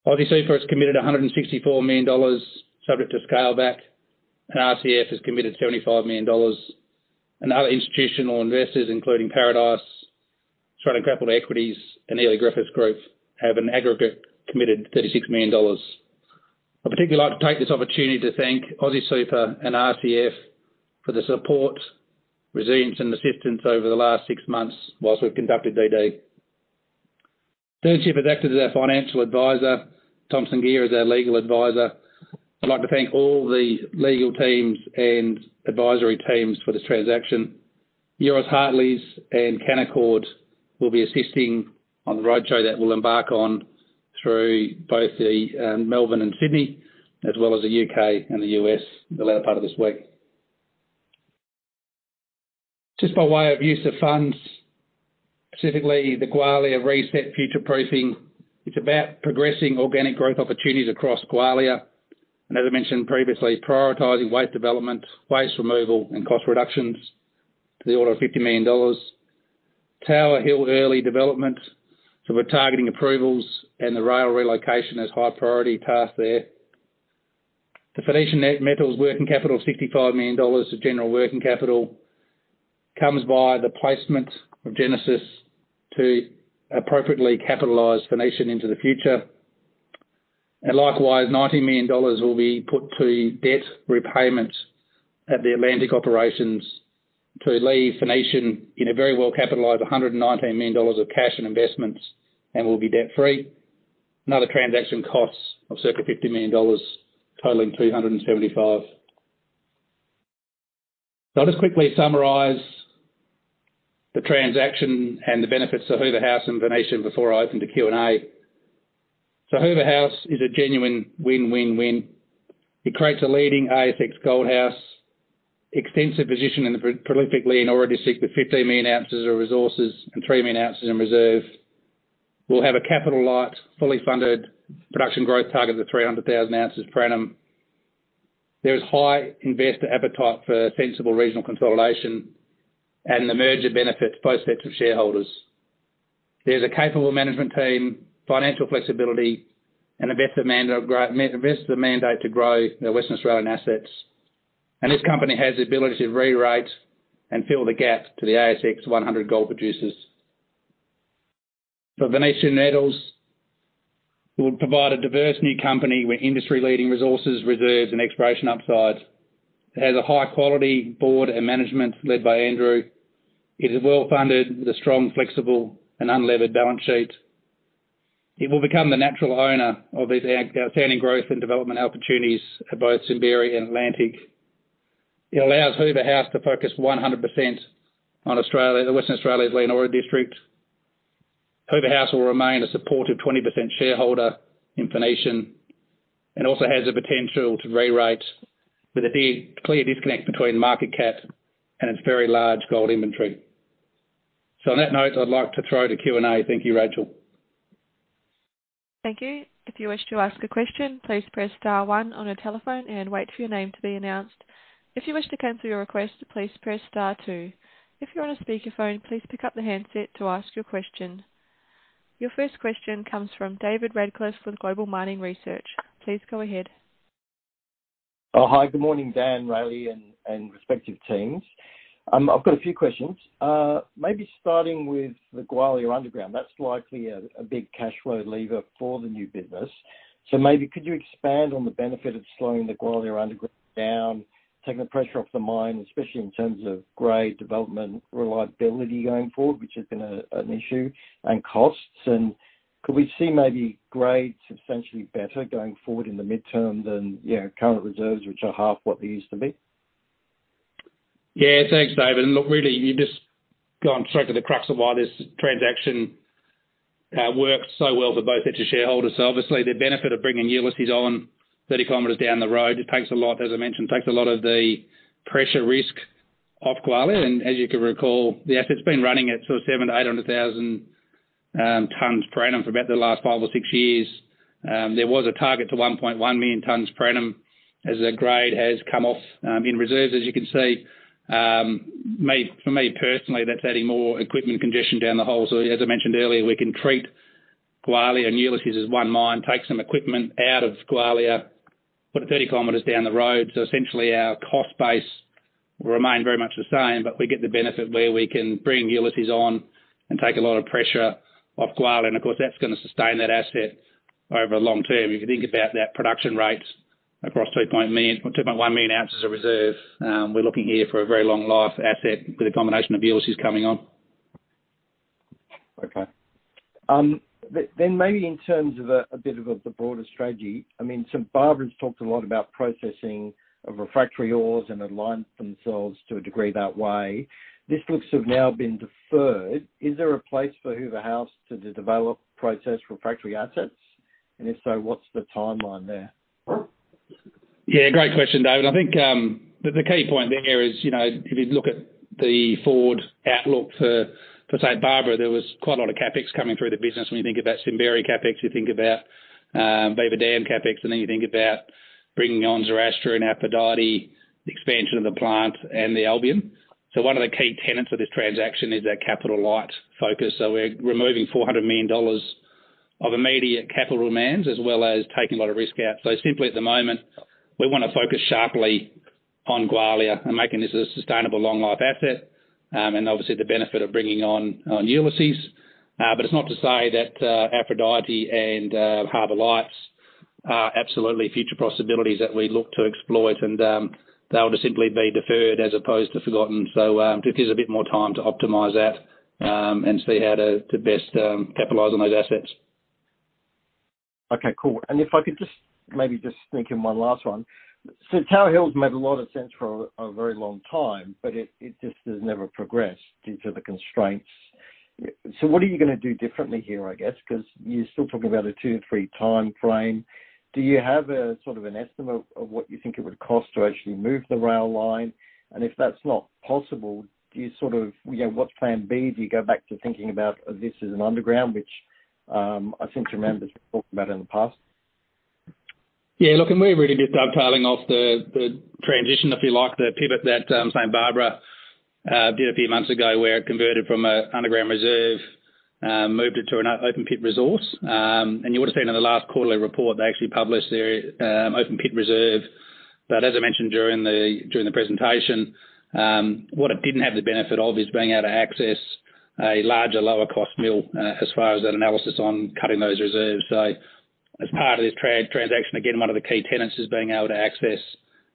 AustralianSuper has committed 164 million dollars subject to scale back, and RCF has committed 75 million dollars. Other institutional investors, including Paradice, Australian Capital Equity, and Eley Griffiths Group, have an aggregate committed $36 million. I'd particularly like to take this opportunity to thank AustralianSuper and RCF for the support, resilience and assistance over the last six months whilst we've conducted DD. Sternship Advisers has acted as our financial advisor. Thomson Geer is our legal advisor. I'd like to thank all the legal teams and advisory teams for this transaction. Euroz Hartleys and Canaccord will be assisting on the roadshow that we'll embark on through both the Melbourne and Sydney, as well as the U.K. and the U.S. the latter part of this week. Just by way of use of funds, specifically the Gwalia reset future-proofing, it's about progressing organic growth opportunities across Gwalia. As I mentioned previously, prioritizing waste development, waste removal, and cost reductions to the order of $50 million. Tower Hill early development. We're targeting approvals, and the rail relocation is high priority task there. The Phoenician Metals working capital, 65 million dollars of general working capital comes via the placement of Genesis to appropriately capitalize Phoenician into the future. Likewise, 90 million dollars will be put to debt repayments at the Atlantic operations to leave Phoenician in a very well-capitalized 119 million dollars of cash and investments, and we'll be debt-free. Another transaction costs of circa 50 million dollars, totaling 275 million. I'll just quickly summarize the transaction and the benefits to Hoover House and Phoenician before I open to Q&A. Hoover House is a genuine win-win-win. It creates a leading ASX gold house, extensive position in the prolifically in order to seek the 15 million ounces of resources and 3 million ounces in reserve. We'll have a capital-light, fully funded production growth target of 300,000 ounces per annum. There is high investor appetite for sensible regional consolidation, and the merger benefits both sets of shareholders. There's a capable management team, financial flexibility and invest the mandate to grow their Western Australian assets. This company has the ability to re-rate and fill the gap to the ASX 100 gold producers. Phoenician Metals will provide a diverse new company with industry-leading resources, reserves and exploration upsides. It has a high-quality board and management led by Andrew. It is well-funded with a strong, flexible and unlevered balance sheet. It will become the natural owner of these outstanding growth and development opportunities at both Simberi and Atlantic. It allows Hoover House to focus 100% on Australia, the Western Australia's Leonora District. Hoover House will remain a supportive 20% shareholder in Phoenician and also has the potential to re-rate with a clear disconnect between market cap and its very large gold inventory. On that note, I'd like to throw to Q&A. Thank you, Rachel. Thank you. If you wish to ask a question, please press star one on your telephone and wait for your name to be announced. If you wish to cancel your request, please press star two. If you're on a speakerphone, please pick up the handset to ask your question. Your first question comes from David Radclyffe with Global Mining Research. Please go ahead. Oh, hi. Good morning, Dan, Raleigh and respective teams. I've got a few questions. Maybe starting with the Gwalia Underground. That's likely a big cash flow lever for the new business. Maybe could you expand on the benefit of slowing the Gwalia Underground down, taking the pressure off the mine, especially in terms of grade development, reliability going forward, which has been an issue, and costs. Could we see maybe grades substantially better going forward in the midterm than, you know, current reserves, which are half what they used to be? Thanks, David. Look, really, you've just gone straight to the crux of why this transaction works so well for both sets of shareholders. Obviously the benefit of bringing Ulysses on 30 kilometers down the road, it takes a lot, as I mentioned, takes a lot of the pressure risk off Gwalia. As you can recall, the asset's been running at sort of 700,000-800,000 tonnes per annum for about the last five or six years. There was a target to 1.1 million tonnes per annum as the grade has come off, in reserves, as you can see. For me, personally, that's adding more equipment condition down the hole. As I mentioned earlier, we can treat Gwalia and Ulysses as one mine, take some equipment out of Gwalia, put it 30 kilometers down the road. Essentially our cost base will remain very much the same, but we get the benefit where we can bring Ulysses on and take a lot of pressure off Gwalia. Of course, that's gonna sustain that asset over long term. If you think about that production rates across 2.1 million ounces of reserve, we're looking here for a very long life asset with a combination of Ulysses coming on. Then maybe in terms of a bit of the broader strategy, I mean, St Barbara's talked a lot about processing of refractory ores and aligned themselves to a degree that way. This looks to have now been deferred. Is there a place for Hoover House to develop process refractory assets? If so, what's the timeline there? Yeah, great question, David. I think the key point there is, you know, if you look at the forward outlook for St Barbara, there was quite a lot of CapEx coming through the business. When you think about Simberi CapEx, you think about Beaver Dam CapEx, and then you think about bringing on Zoroastrian and Aphrodite, expansion of the plant and the Albion Process. One of the key tenets of this transaction is our capital light focus. We're removing 400 million dollars of immediate capital demands, as well as taking a lot of risk out. Simply at the moment, we wanna focus sharply on Gwalia and making this a sustainable long life asset, and obviously the benefit of bringing on Ulysses. It's not to say that Aphrodite and Harbour Lights are absolutely future possibilities that we look to explore it and they'll just simply be deferred as opposed to forgotten. Just use a bit more time to optimize that and see how to best capitalize on those assets. Okay, cool. If I could just maybe just sneak in one last one. Tower Hill's made a lot of sense for a very long time, but it just has never progressed due to the constraints. What are you gonna do differently here, I guess, 'cause you're still talking about a two, three timeframe. Do you have a sort of an estimate of what you think it would cost to actually move the rail line? If that's not possible, do you sort of, you know, what's Plan B? Do you go back to thinking about this as an underground, which, I seem to remember talking about in the past. Yeah, look, we're really just dovetailing off the transition, if you like, the pivot that St Barbara did a few months ago, where it converted from a underground reserve, moved it to an open pit resource. You would've seen in the last quarterly report, they actually published their open pit reserve. As I mentioned during the presentation, what it didn't have the benefit of is being able to access a larger, lower cost mill as far as that analysis on cutting those reserves. As part of this transaction, again, one of the key tenets is being able to access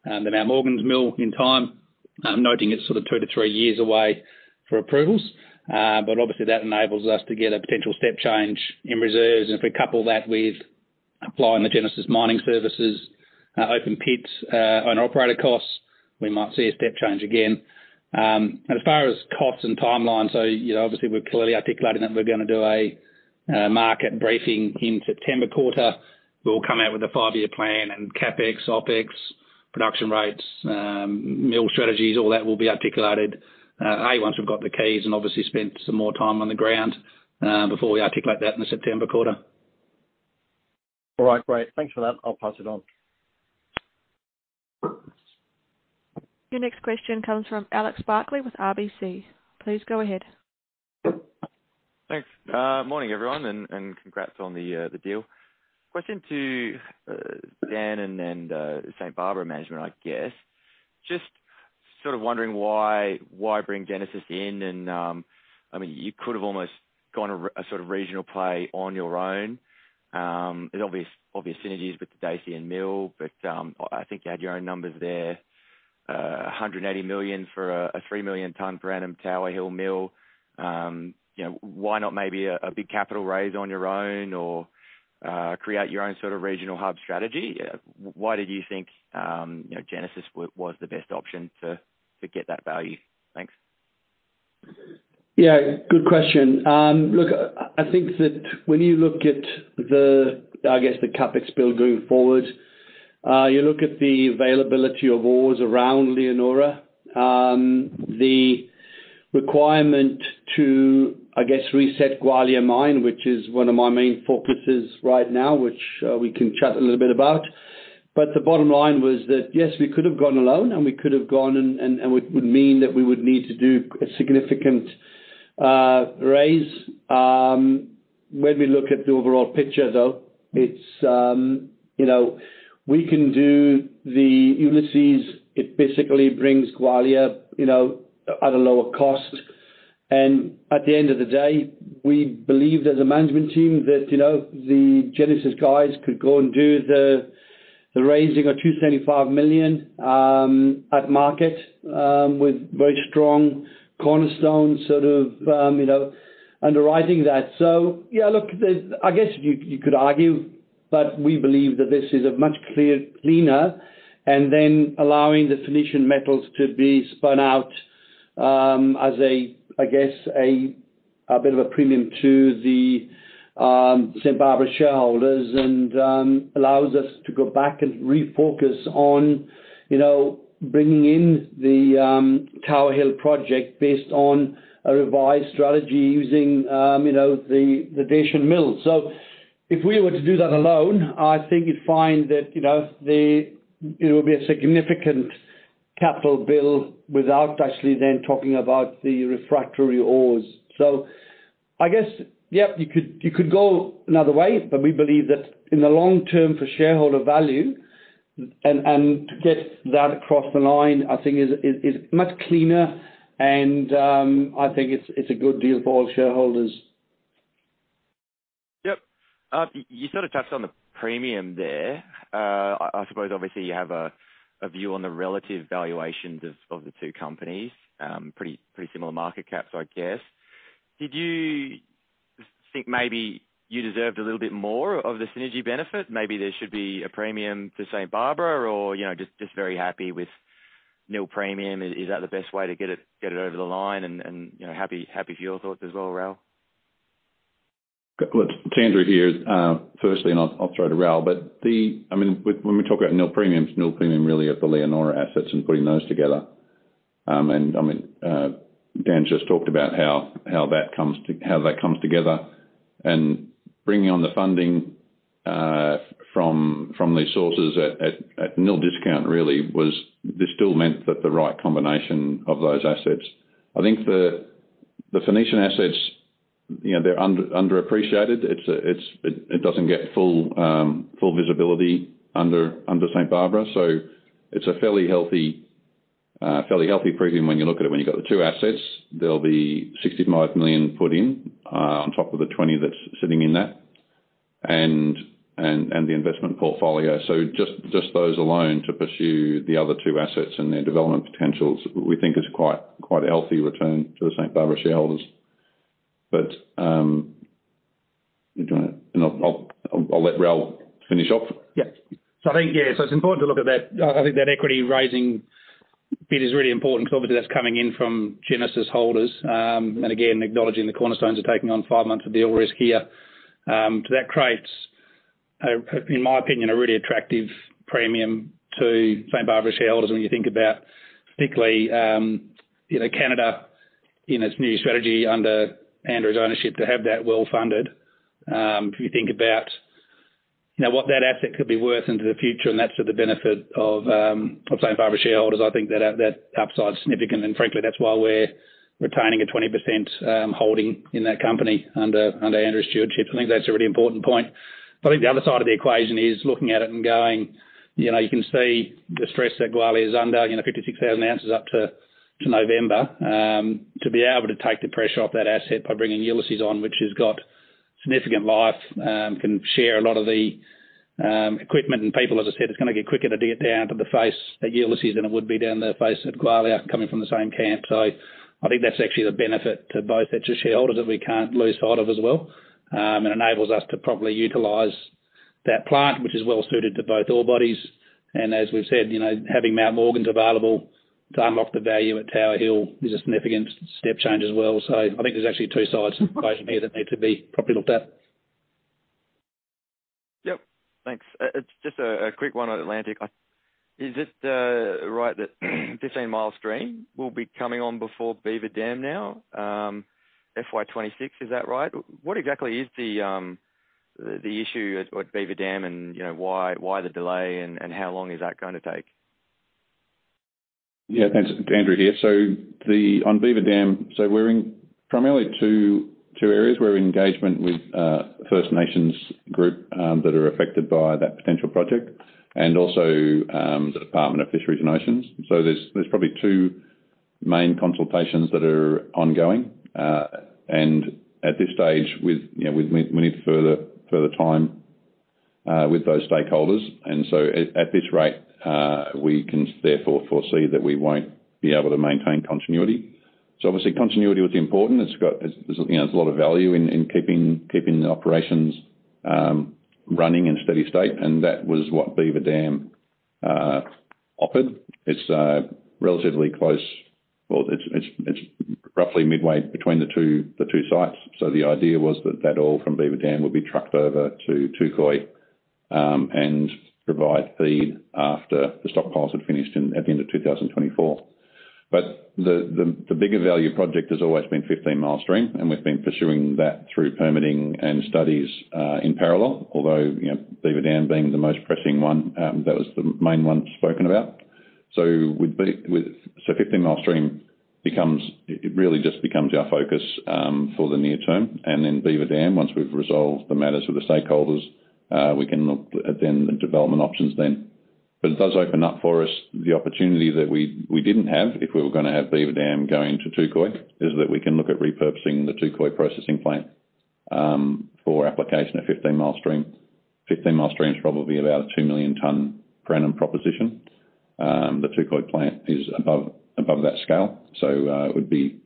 the Mount Morgan's mill in time. I'm noting it's sort of two to three years away for approvals. Obviously that enables us to get a potential step change in reserves. If we couple that with applying the Genesis Mining Services open pits owner/operator costs, we might see a step change again. As far as costs and timelines, you know, obviously we're clearly articulating that we're gonna do a market briefing in September quarter. We'll come out with a five-year plan and CapEx, OpEx, production rates, mill strategies, all that will be articulated, A, once we've got the keys and obviously spent some more time on the ground before we articulate that in the September quarter. All right, great. Thanks for that. I'll pass it on. Your next question comes from Alex Barkley with RBC. Please go ahead. Thanks. Morning, everyone, and congrats on the deal. Question to Dan and then St Barbara management, I guess. Just sort of wondering why bring Genesis in and, I mean, you could have almost gone a sort of regional play on your own. There's obvious synergies with the Dacian Mill, but, I think you had your own numbers there. 180 million for a 3 million ton per annum Tower Hill mill. You know, why not maybe a big capital raise on your own or create your own sort of regional hub strategy? Why did you think, you know, Genesis was the best option to get that value? Thanks. Yeah, good question. look, I think that when you look at the, I guess, the CapEx bill going forward, you look at the availability of ores around Leonora, the requirement to, I guess, reset Gwalia mine, which is one of my main focuses right now, which we can chat a little bit about. The bottom line was that, yes, we could have gone alone, and we could have gone and it would mean that we would need to do a significant raise. When we look at the overall picture, though, it's, you know, we can do the Ulysses. It basically brings Gwalia, you know, at a lower cost. At the end of the day, we believed as a management team that, you know, the Genesis guys could go and do the raising of 275 million at market with very strong cornerstone sort of, you know, underwriting that. I guess you could argue, but we believe that this is a much clear-cleaner and then allowing Phoenician Metals to be spun out as a, I guess a bit of a premium to the St Barbara shareholders and allows us to go back and refocus on, you know, bringing in the Tower Hill project based on a revised strategy using, you know, the Dacian Mill. If we were to do that alone, I think you'd find that, you know, it would be a significant capital bill without actually then talking about the refractory ores. I guess, yep, you could go another way, but we believe that in the long term for shareholder value and to get that across the line, I think is much cleaner and I think it's a good deal for all shareholders. Yep. You sort of touched on the premium there. I suppose obviously you have a view on the relative valuations of the two companies. Pretty similar market caps, I guess. Did you think maybe you deserved a little bit more of the synergy benefit? Maybe there should be a premium for St Barbara or, you know, just very happy with nil premium. Is that the best way to get it over the line? And, you know, happy for your thoughts as well, Ral. Look, it's Andrew here. Firstly, I'll throw to Ral. I mean, when we talk about nil premiums, nil premium really are the Leonora assets and putting those together. I mean, Dan just talked about how that comes together. Bringing on the funding from these sources at nil discount really was. This still meant that the right combination of those assets. I think the Phoenician assets, you know, they're underappreciated. It doesn't get full visibility under St Barbara. It's a fairly healthy premium when you look at it. When you've got the two assets, there'll be 65 million put in on top of the 20 that's sitting in that, and the investment portfolio. Just those alone to pursue the other two assets and their development potentials, we think is quite a healthy return to the St Barbara shareholders. I'll let Ral finish off. I think it's important to look at that. I think that equity raising bit is really important because obviously that's coming in from Genesis holders. Again, acknowledging the cornerstones are taking on five months of deal risk here. That creates, in my opinion, a really attractive premium to St Barbara shareholders when you think about particularly, you know, Canada in its new strategy under Andrew's ownership to have that well-funded. If you think about, you know, what that asset could be worth into the future, that's for the benefit of St Barbara shareholders, I think that upside's significant. Frankly, that's why we're retaining a 20% holding in that company under Andrew's stewardship. I think that's a really important point. I think the other side of the equation is looking at it and going, you know, you can see the stress that Gwalia is under, you know, 56,000 ounces up to November. To be able to take the pressure off that asset by bringing Ulysses on, which has got significant life, can share a lot of the equipment. People, as I said, it's gonna get quicker to get down to the face at Ulysses than it would be down the face at Gwalia coming from the same camp. I think that's actually the benefit to both sets of shareholders that we can't lose sight of as well. It enables us to properly utilize that plant, which is well suited to both ore bodies. As we've said, you know, having Mount Morgans available to unlock the value at Tower Hill is a significant step change as well. I think there's actually 2 sides of the equation here that need to be properly looked at. Yep. Thanks. It's just a quick one on Atlantic. Is it right that Fifteen Mile Stream will be coming on before Beaver Dam now, FY 2026? Is that right? What exactly is the issue at Beaver Dam? You know, why the delay, and how long is that gonna take? Yeah. Thanks. Andrew here. On Beaver Dam, we're in primarily two areas. We're in engagement with First Nations Group that are affected by that potential project and also the Department of Fisheries and Oceans. There's probably two main consultations that are ongoing. At this stage with, you know, we need further time with those stakeholders. At this rate, we can therefore foresee that we won't be able to maintain continuity. Obviously, continuity was important. It's, you know, it's a lot of value in keeping the operations running in a steady state, and that was what Beaver Dam offered. It's relatively close. Well, it's roughly midway between the two sites. The idea was that that all from Beaver Dam would be trucked over to Touquoy and provide feed after the stockpiles had finished at the end of 2024. The bigger value project has always been Fifteen Mile Stream, and we've been pursuing that through permitting and studies in parallel. Although, you know, Beaver Dam being the most pressing one, that was the main one spoken about. Fifteen Mile Stream becomes... It really just becomes our focus for the near term. Beaver Dam, once we've resolved the matters with the stakeholders, we can look at then the development options then. It does open up for us the opportunity that we didn't have if we were gonna have Beaver Dam going to Touquoy, is that we can look at repurposing the Touquoy processing plant for application at Fifteen Mile Stream. Fifteen Mile Stream is probably about a 2 million ton per annum proposition. The Touquoy plant is above that scale, so it would be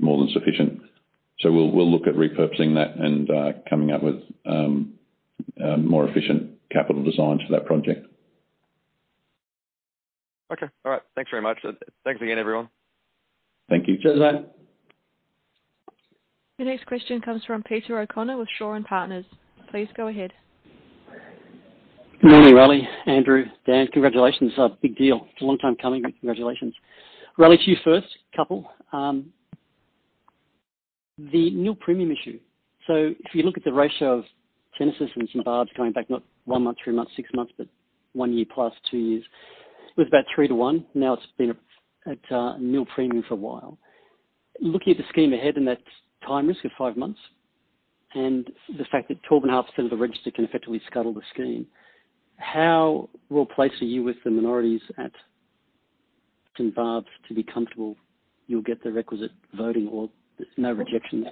more than sufficient. We'll look at repurposing that and coming up with a more efficient capital design for that project. Okay. All right. Thanks very much. Thanks again, everyone. Thank you. Cheers, Dan. The next question comes from Peter O'Connor with Shaw and Partners. Please go ahead. Good morning, Raleigh, Andrew, Dan. Congratulations. Big deal. It's a long time coming, but congratulations. Raleigh, to you first. Couple. The nil premium issue. If you look at the ratio of Genesis and St Barbara's going back not one month, three months, six months, but one year plus, two years, it was about three to one. Now, it's been at nil premium for a while. Looking at the scheme ahead and that time risk of five months and the fact that 12.5% of the register can effectively scuttle the scheme, how well placed are you with the minorities at St Barbara to be comfortable you'll get the requisite voting or there's no rejection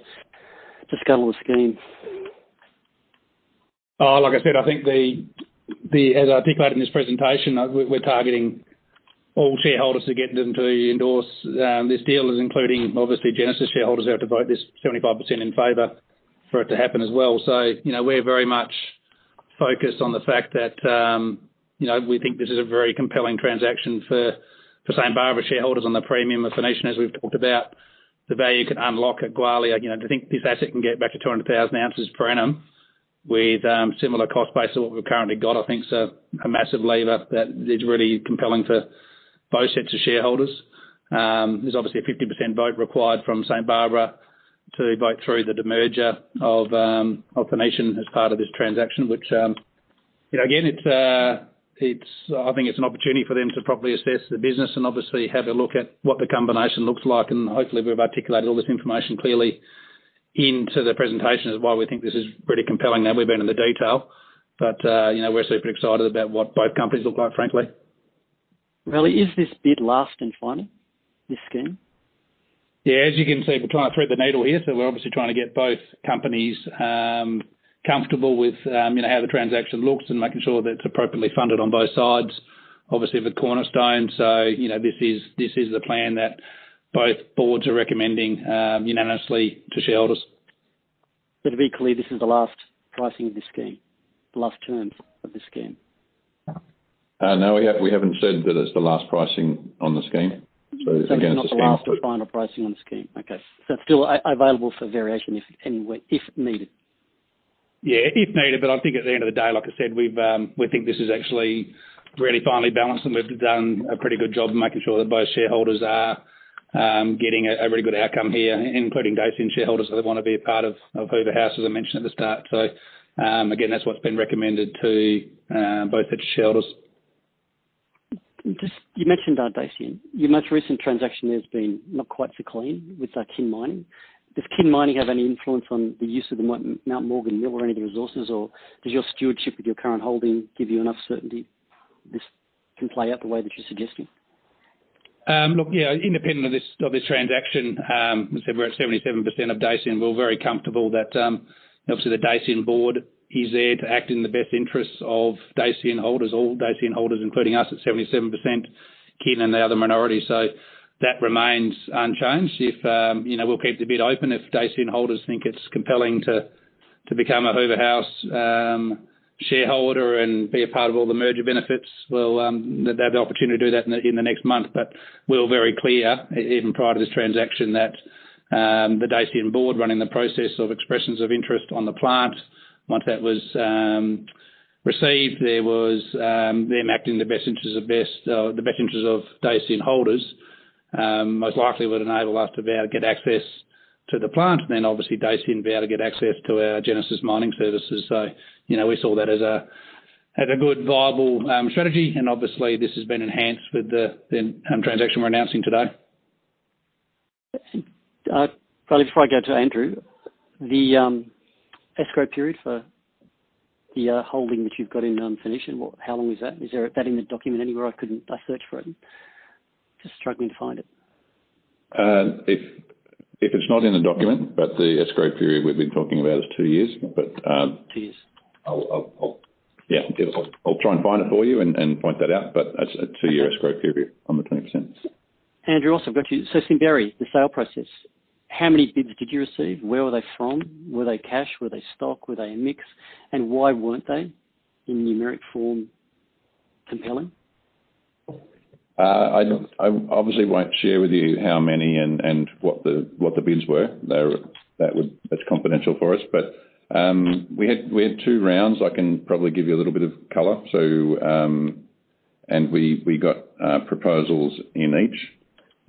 to scuttle the scheme? Like I said, I think the as I picked out in this presentation, we're targeting all shareholders to get them to endorse this deal as including obviously Genesis shareholders have to vote this 75% in favor for it to happen as well. You know, we're very much focused on the fact that, you know, we think this is a very compelling transaction for St Barbara shareholders on the premium of Phoenician, as we've talked about. The value you can unlock at Gwalia, you know, to think this asset can get back to 200,000 ounces per annum with similar cost base to what we've currently got, I think is a massive lever that is really compelling for both sets of shareholders. There's obviously a 50% vote required from St Barbara to vote through the demerger of Phoenician as part of this transaction, which, you know, again, it's, I think it's an opportunity for them to properly assess the business and obviously have a look at what the combination looks like. Hopefully we've articulated all this information clearly into the presentation is why we think this is pretty compelling. Now, we've been in the detail, but, you know, we're super excited about what both companies look like, frankly. Well, is this bid last and final, this scheme? As you can see, we're trying to thread the needle here. We're obviously trying to get both companies comfortable with, you know, how the transaction looks and making sure that it's appropriately funded on both sides. Obviously, the Cornerstone. You know, this is the plan that both boards are recommending unanimously to shareholders. To be clear, this is the last pricing of this scheme, the last terms of this scheme? No. We haven't said that it's the last pricing on the scheme. Again, the scheme. It's not the last or final pricing on the scheme. Okay. It's still available for variation if needed. Yeah, if needed. I think at the end of the day, like I said, we've, we think this is actually really finely balanced, and we've done a pretty good job of making sure that both shareholders are, getting a really good outcome here, including Dacian shareholders that want to be a part of Hoover House, as I mentioned at the start. Again, that's what's been recommended to, both sets of shareholders. Just you mentioned about Dacian. Your most recent transaction there has been not quite so clean with Kin Mining. Does Kin Mining have any influence on the use of the Mount Morgan mill or any of the resources? Does your stewardship with your current holding give you enough certainty this can play out the way that you're suggesting? Independent of this transaction, as I said, we're at 77% of Dacian. We're very comfortable that obviously the Dacian board is there to act in the best interests of Dacian holders, all Dacian holders, including us at 77%, Kin and the other minorities. That remains unchanged. You know, we'll keep the bid open if Dacian holders think it's compelling to become a Hoover House shareholder and be a part of all the merger benefits. They'll have the opportunity to do that in the next month. We're very clear even prior to this transaction that the Dacian board running the process of expressions of interest on the plant. Once that was received, there was them acting in the best interests of the best interests of Dacian holders, most likely would enable us to be able to get access to the plant. Obviously Dacian will be able to get access to our Genesis Mining Services. You know, we saw that as a good viable strategy and obviously this has been enhanced with the transaction we're announcing today. Well, before I go to Andrew, the escrow period for the holding that you've got in Phoenician, how long is that? Is there that in the document anywhere? I searched for it. Just struggling to find it. if it's not in the document, but the escrow period we've been talking about is two years. Two years. I'll. Yeah. I'll try and find it for you and point that out. That's a two-year escrow period on the 20%. Andrew, also got you. Simberi, the sale process, how many bids did you receive? Where were they from? Were they cash? Were they stock? Were they a mix? Why weren't they, in numeric form, compelling? I obviously won't share with you how many and what the bids were. That's confidential for us. We had 2 rounds. I can probably give you a little bit of color. We got proposals in each,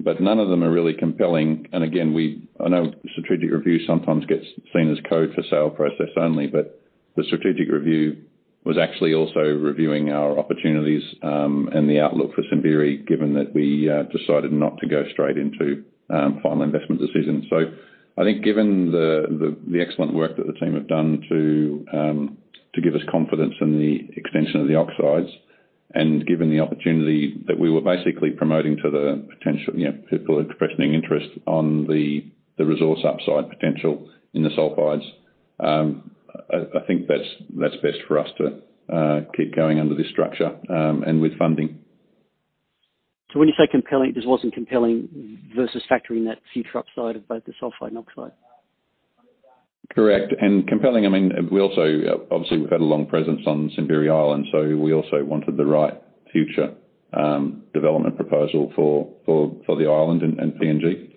but none of them are really compelling. Again, I know strategic review sometimes gets seen as code for sale process only, but the strategic review was actually also reviewing our opportunities, and the outlook for Simberi, given that we decided not to go straight into final investment decisions. I think given the excellent work that the team have done to give us confidence in the extension of the oxides, and given the opportunity that we were basically promoting to the potential, you know, people expressing interest on the resource upside potential in the sulfides, I think that's best for us to keep going under this structure and with funding. When you say compelling, this wasn't compelling versus factoring that future upside of both the sulfide and oxide? Correct. Compelling, I mean, we also obviously we've had a long presence on Simberi Island, so we also wanted the right future, development proposal for the island and PNG.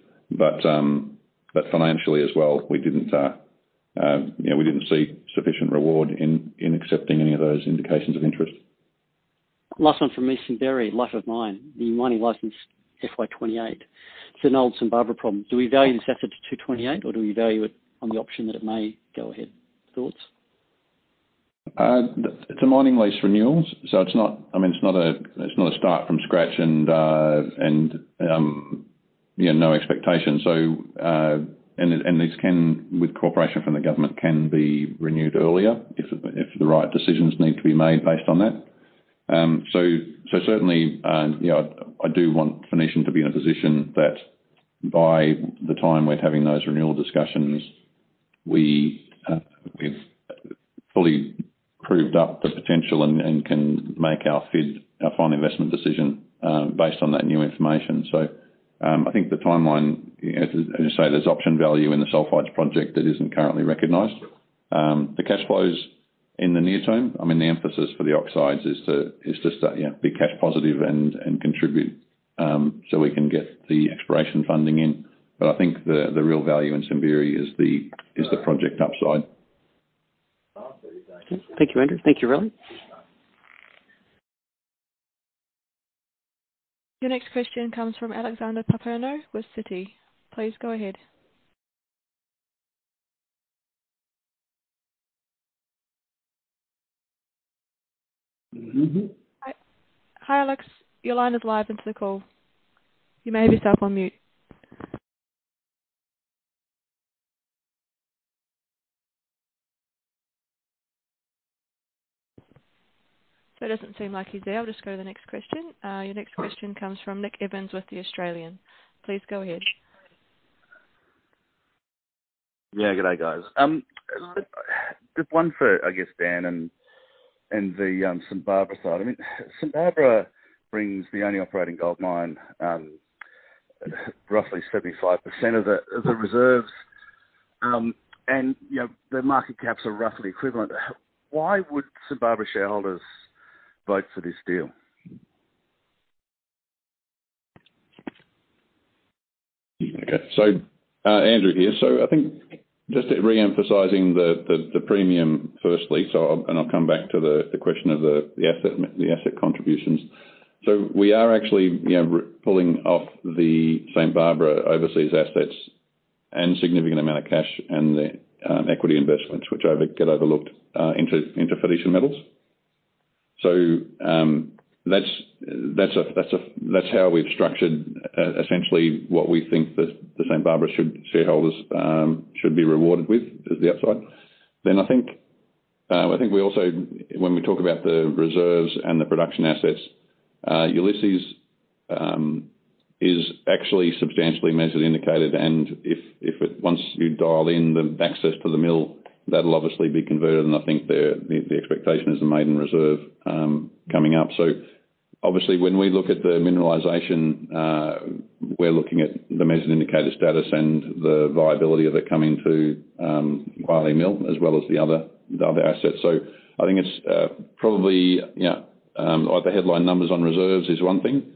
Financially as well, we didn't, you know, we didn't see sufficient reward in accepting any of those indications of interest. Last one from me. Simberi, life of mine, the mining license, FY 2028. It's an old St Barbara problem. Do we value this asset to 2028 or do we value it on the option that it may go ahead? Thoughts? It's a mining lease renewals, so it's not a start from scratch and no expectation. This can, with cooperation from the government, can be renewed earlier if the right decisions need to be made based on that. Certainly, you know, I do want Phoenician to be in a position that by the time we're having those renewal discussions, we've fully proved up the potential and can make our FID, our final investment decision, based on that new information. I think the timeline, as you say, there's option value in the sulfides project that isn't currently recognized. The cash flows in the near term, I mean, the emphasis for the oxides is to, you know, be cash positive and contribute, so we can get the exploration funding in. I think the real value in Simberi is the project upside. Okay. Thank you, Andrew. Thank you, Raleigh. Your next question comes from Alexander Papaioanou with Citi. Please go ahead. Mm-hmm. Hi, Alex. Your line is live into the call. You may have yourself on mute. It doesn't seem like he's there. I'll just go to the next question. Your next question comes from Nick Evans with The Australian. Please go ahead. Good day, guys. Just one for, I guess, Dan and the St Barbara side. I mean, St Barbara brings the only operating gold mine, roughly 75% of the reserves. And, you know, the market caps are roughly equivalent. Why would St Barbara shareholders vote for this deal? Okay. Andrew here. I think just re-emphasizing the premium firstly. I'll come back to the question of the asset contributions. We are actually, you know, pulling off the St Barbara overseas assets and significant amount of cash and the equity investments which get overlooked into Phoenician Metals. That's how we've structured essentially what we think that the St Barbara shareholders should be rewarded with is the upside. I think we also, when we talk about the reserves and the production assets, Ulysses is actually substantially measured, indicated. If once you dial in the access to the mill, that'll obviously be converted. I think the expectation is the maiden reserve coming up. Obviously, when we look at the mineralization, we're looking at the measured indicated status and the viability of it coming to Gwalia Mill as well as the other, the other assets. I think it's, probably, you know, the headline numbers on reserves is one thing.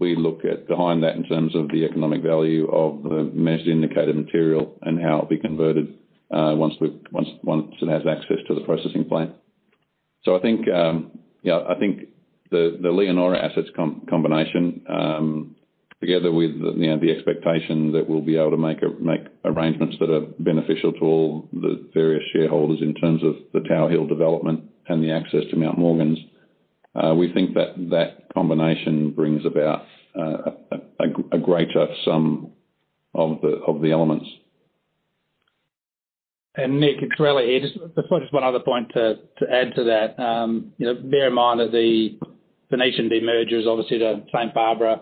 We look at behind that in terms of the economic value of the measured indicated material and how it'll be converted, once it has access to the processing plant. I think, I think the Leonora assets combination, together with the expectation that we'll be able to make arrangements that are beneficial to all the various shareholders in terms of the Towhill development and the access to Mount Morgans, we think that that combination brings about a greater sum of the elements. Nick, it's Raleigh here. Just one other point to add to that. You know, bear in mind that the Phoenician demerger is obviously the St Barbara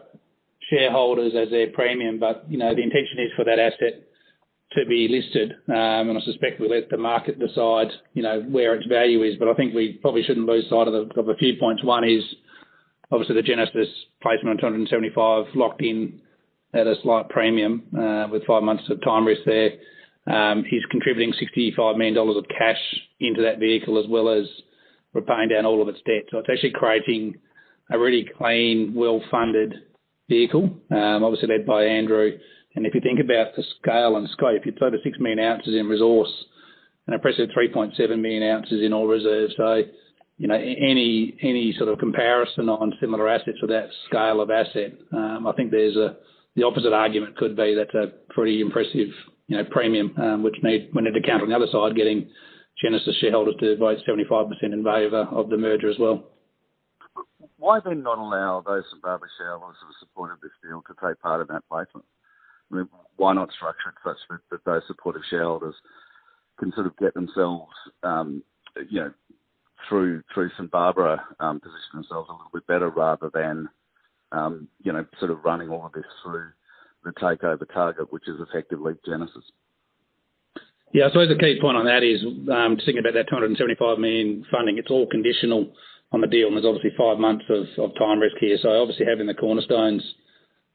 shareholders as their premium, but, you know, the intention is for that asset to be listed. I suspect we'll let the market decide, you know, where its value is. I think we probably shouldn't lose sight of a few points. One is obviously the Genesis placement of 275 locked in at a slight premium, with five months of time risk there. He's contributing 65 million dollars of cash into that vehicle, as well as repaying down all of its debt. It's actually creating a really clean, well-funded vehicle, obviously led by Andrew. If you think about the scale and scope, you've got a 6 million ounces in resource and impressive 3.7 million ounces in ore reserves. You know, any sort of comparison on similar assets or that scale of asset, I think there's the opposite argument could be that's a pretty impressive, you know, premium, which we need to count on the other side, getting Genesis shareholders to vote 75% in favor of the merger as well. Why not allow those St Barbara shareholders who supported this deal to take part in that placement? I mean, why not structure it so that those supportive shareholders can sort of get themselves, you know, through St Barbara, position themselves a little bit better rather than, you know, sort of running all of this through the takeover target, which is effectively Genesis? Yeah. I suppose the key point on that is, thinking about that 275 million funding, it's all conditional on the deal, and there's obviously five months of time risk here. Obviously having the cornerstones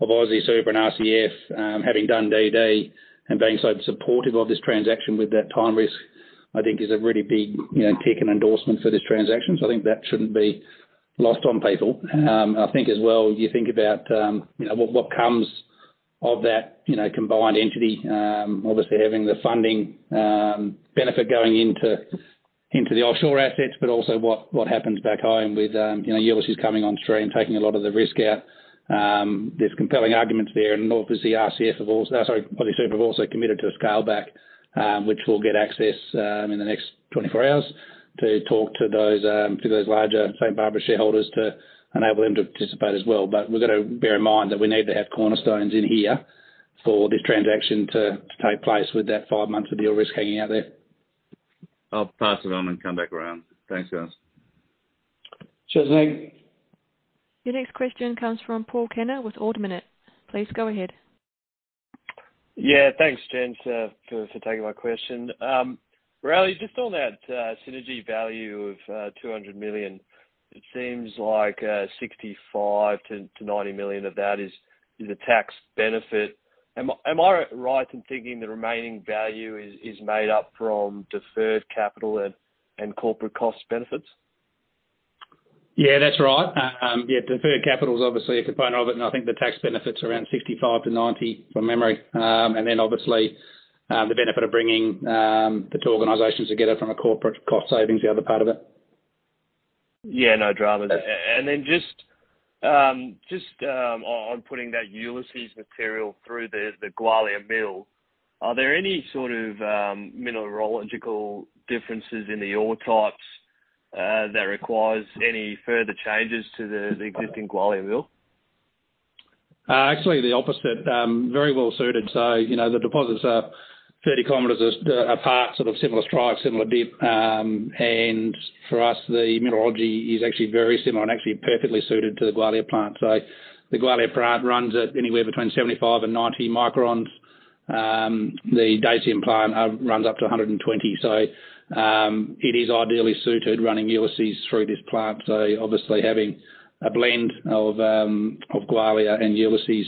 of AustralianSuper and RCF, having done DD and being so supportive of this transaction with that time risk, I think is a really big, you know, tick and endorsement for this transaction. I think that shouldn't be lost on people. I think as well, you think about, what comes of that, you know, combined entity, obviously having the funding benefit going into the offshore assets, but also what happens back home with, you know, Ulysses coming on stream, taking a lot of the risk out. There's compelling arguments there. Obviously AustralianSuper have also committed to a scale back, which we'll get access in the next 24 hours to talk to those, to those larger St Barbara shareholders to enable them to participate as well. We've got to bear in mind that we need to have cornerstones in here for this transaction to take place with that five months of deal risk hanging out there. I'll pass it on and come back around. Thanks, guys. Sure thing. Your next question comes from Paul Kaner with Ord Minnett. Please go ahead. Yeah, thanks, gents, for taking my question. Raleigh, just on that synergy value of 200 million, it seems like 65 million-90 million of that is a tax benefit. Am I right in thinking the remaining value is made up from deferred capital and corporate cost benefits? Yeah, that's right. Yeah, deferred capital is obviously a component of it, and I think the tax benefit's around 65-90, from memory. Obviously, the benefit of bringing the two organizations together from a corporate cost saving is the other part of it. Yeah, no dramas. Then just on putting that Ulysses material through the Gwalia Mill, are there any sort of mineralogical differences in the ore types that requires any further changes to the existing Gwalia Mill? Actually the opposite, very well-suited. You know, the deposits are 30 kilometers apart, sort of similar strike, similar dip. For us, the mineralogy is actually very similar and actually perfectly suited to the Gwalia plant. The Gwalia plant runs at anywhere between 75 and 90 microns. The Genesis plant runs up to 120. It is ideally suited running Ulysses through this plant. Obviously having a blend of Gwalia and Ulysses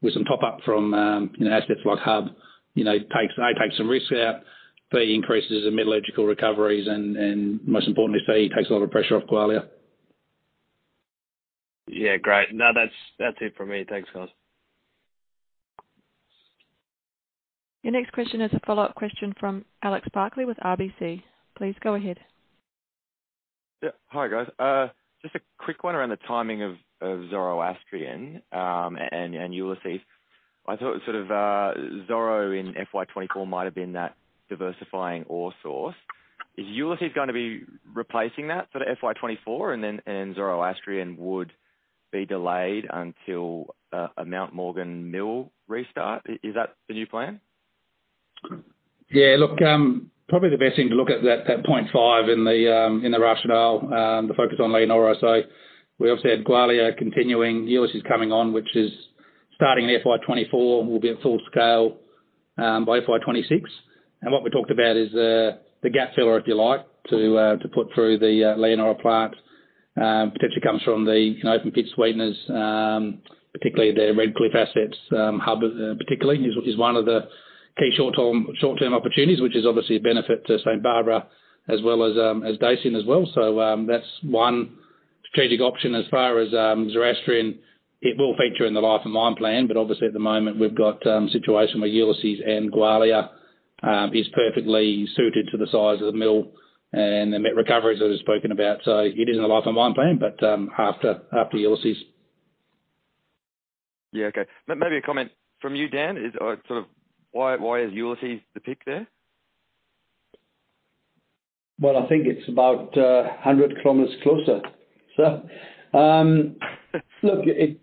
with some top-up from, you know, assets like Hub, you know, takes, A, takes some risk out, B, increases the metallurgical recoveries, and most importantly, C, takes a lot of pressure off Gwalia. Yeah, great. No, that's it from me. Thanks, guys. Your next question is a follow-up question from Alex Barkley with RBC. Please go ahead. Yeah. Hi, guys, just a quick one around the timing of Zoroastrian and Ulysses. I thought sort of, Zoro in FY 2024 might have been that diversifying ore source. Is Ulysses gonna be replacing that sort of FY 2024, and then Zoroastrian would be delayed until a Mount Morgan mill restart? Is that the new plan? Yeah, look, probably the best thing to look at that 0.5 in the rationale, the focus on Leonora. We obviously have Gwalia continuing, Ulysses is coming on, which is starting in FY 2024, will be at full scale by FY 2026. What we talked about is the gap filler, if you like, to put through the Leonora plant, potentially comes from the, you know, open pit sweeteners, particularly the Red Cliff assets. Hub particularly is one of the key short-term opportunities, which is obviously a benefit to St Barbara as well as Genesis as well. That's one strategic option as far as Zoroastrian. It will feature in the life of mine plan, but obviously at the moment we've got, situation where Ulysses and Gwalia, is perfectly suited to the size of the mill and the met recoveries that we've spoken about. It is in the life of mine plan, but after Ulysses. Yeah, okay. Maybe a comment from you, Dan. Is or sort of why is Ulysses the pick there? Well, I think it's about 100 kilometers closer. Look, it...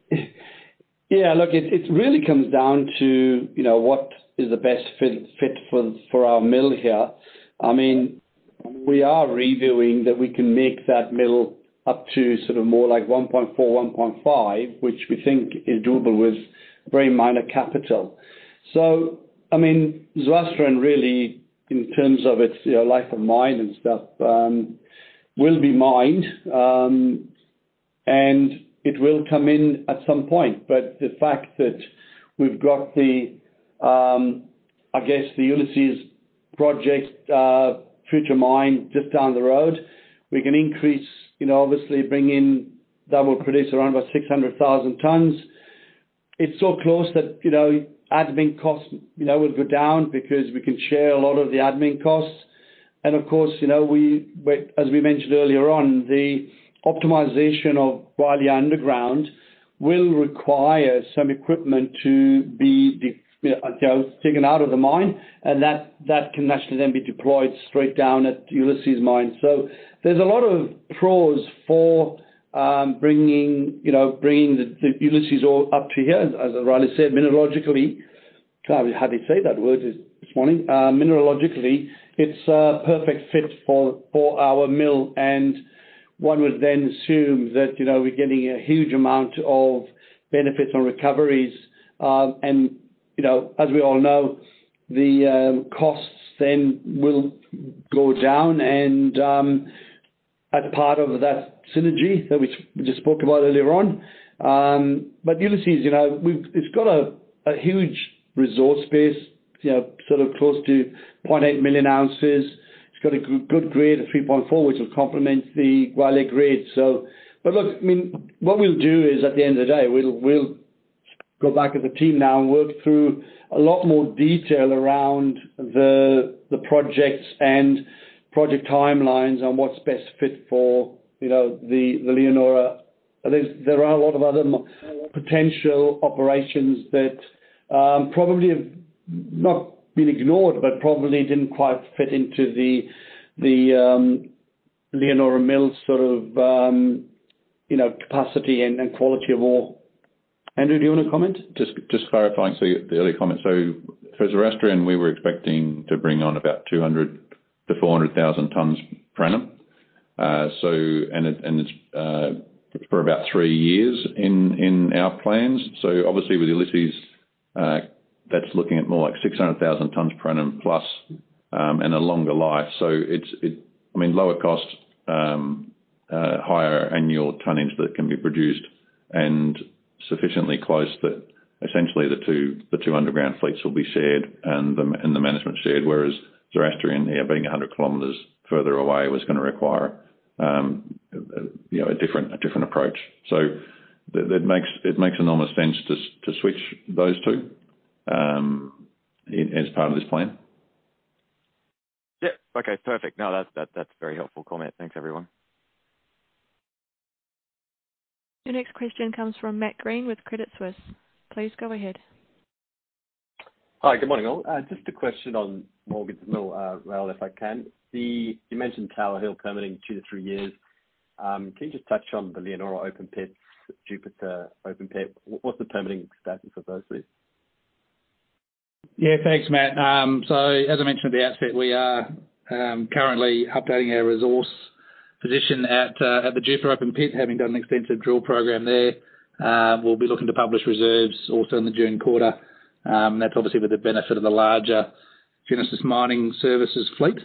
Yeah, look, it really comes down to, you know, what is the best fit for our mill here. I mean, we are reviewing that we can make that mill up to sort of more like 1.4, 1.5, which we think is doable with very minor capital. I mean, Zoroastrian really in terms of its, you know, life of mine and stuff, will be mined, and it will come in at some point. The fact that we've got the, I guess the Ulysses project, future mine just down the road, we can increase, you know, obviously that will produce around about 600,000 tons. It's so close that, you know, admin costs, you know, will go down because we can share a lot of the admin costs. of course, you know, but as we mentioned earlier on, the optimization of Gwalia Underground will require some equipment to be taken out of the mine, and that can actually then be deployed straight down at Ulysses mine. there's a lot of pros for bringing, you know, bringing the Ulysses ore up to here. As Raleigh said, mineralogically. God, we hardly say that word this morning. mineralogically, it's a perfect fit for our mill. one would then assume that, you know, we're getting a huge amount of benefits on recoveries. You know, as we all know, the costs then will go down and at part of that synergy that we spoke about earlier on. Ulysses, you know, it's got a huge resource base, you know, sort of close to 0.8 million ounces. It's got a good grade of 3.4, which will complement the Gwalia grade. Look, I mean, what we'll do is, at the end of the day, we'll go back as a team now and work through a lot more detail around the projects and project timelines on what's best fit for, you know, the Leonora. There are a lot of other potential operations that probably have not been ignored, but probably didn't quite fit into the Gwalia Mill sort of. You know, capacity and quality of ore. Andrew, do you wanna comment? Just clarifying. The early comments. For Zoroastrian, we were expecting to bring on about 200,000-400,000 tons per annum, and it's for about three years in our plans. Obviously with Ulysses, that's looking at more like 600,000 tons per annum plus and a longer life. I mean, lower costs, higher annual tonnage that can be produced and sufficiently close that essentially the two underground fleets will be shared and the management shared. Whereas Zoroastrian being 100 kilometers further away was gonna require, you know, a different approach. It makes enormous sense to switch those two as part of this plan. Yeah. Okay, perfect. That's a very helpful comment. Thanks, everyone. Your next question comes from Matt Greene with Credit Suisse. Please go ahead. Hi. Good morning, all. Just a question on Morgan's Mill, rail, if I can. You mentioned Tower Hill permitting two to three years. Can you just touch on the Leonora open pit, Jupiter open pit? What's the permitting status of those three? Yeah, thanks, Matt. As I mentioned at the outset, we are currently updating our resource position at the Jupiter open pit, having done an extensive drill program there. We'll be looking to publish reserves also in the June quarter. That's obviously with the benefit of the larger Genesis Mining Services fleet,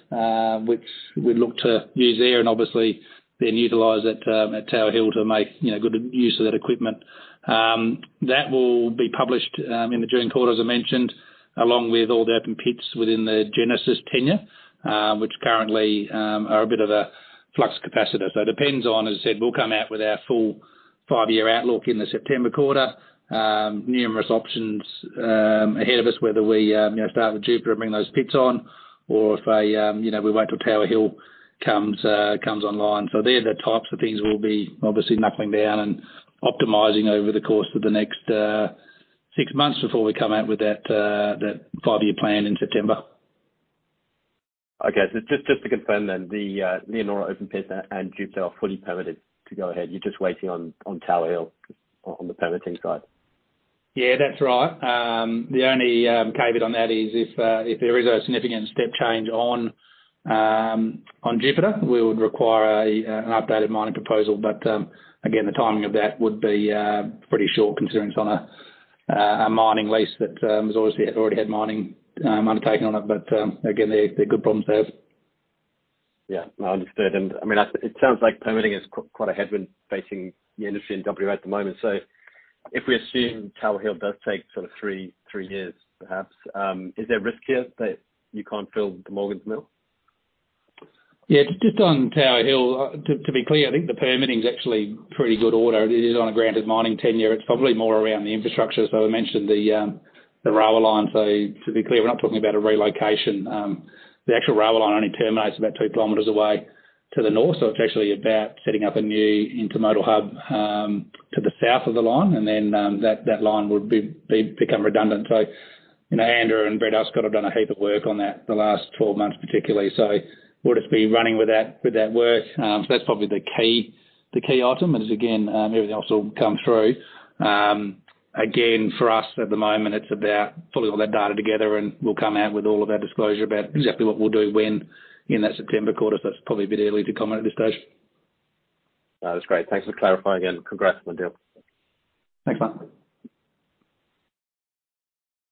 which we look to use there and obviously then utilize it at Tower Hill to make, you know, good use of that equipment. That will be published in the June quarter, as I mentioned, along with all the open pits within the Genesis tenure, which currently are a bit of a flux capacitor. It depends on, as I said, we'll come out with our full five-year outlook in the September quarter. numerous options ahead of us, whether we, you know, start with Jupiter and bring those pits on or if, you know, we wait till Tower Hill comes online. They're the types of things we'll be obviously knuckling down and optimizing over the course of the next six months before we come out with that five-year plan in September. Okay. just to confirm then, the Leonora open pit and Jupiter are fully permitted to go ahead. You're just waiting on Tower Hill on the permitting side. Yeah, that's right. The only caveat on that is if there is a significant step change on Jupiter, we would require an updated mining proposal. Again, the timing of that would be pretty short considering it's on a mining lease that obviously already had mining undertaken on it. Again, they're good problems to have. Yeah. No, understood. I mean, it sounds like permitting is quite a headwind facing the industry in WA at the moment. If we assume Tower Hill does take sort of three years perhaps, is there risk here that you can't fill the Morgan's Mill? Yeah, just on Tower Hill, to be clear, I think the permitting is actually pretty good order. It is on a granted mining tenure. It's probably more around the infrastructure. As I mentioned, the rail line. To be clear, we're not talking about a relocation. The actual rail line only terminates about 2 kilometers away to the north. It's actually about setting up a new intermodal hub to the south of the line. That line would become redundant. You know, Andrew and Brett Ascott have done a heap of work on that the last 12 months particularly. We'll just be running with that work. That's probably the key item. Again, everything else will come through. Again, for us at the moment it's about pulling all that data together, we'll come out with all of our disclosure about exactly what we'll do when in that September quarter. It's probably a bit early to comment at this stage. No, that's great. Thanks for clarifying, and congrats on the deal. Thanks, Matt.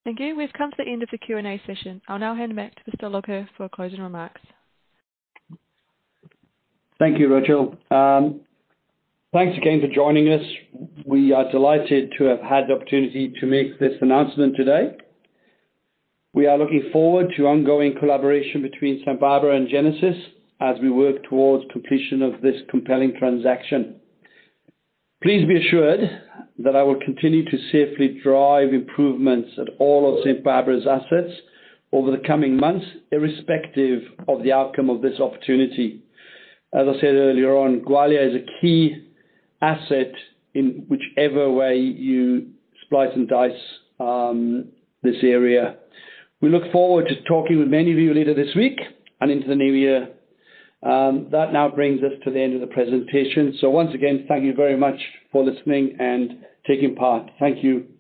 Thank you. We've come to the end of the Q&A session. I'll now hand back to Mr. Lougher for closing remarks. Thank you, Rochelle. Thanks again for joining us. We are delighted to have had the opportunity to make this announcement today. We are looking forward to ongoing collaboration between St Barbara and Genesis as we work towards completion of this compelling transaction. Please be assured that I will continue to safely drive improvements at all of St Barbara's assets over the coming months, irrespective of the outcome of this opportunity. As I said earlier on, Gwalia is a key asset in whichever way you slice and dice, this area. We look forward to talking with many of you later this week and into the new year. That now brings us to the end of the presentation. Once again, thank you very much for listening and taking part. Thank you.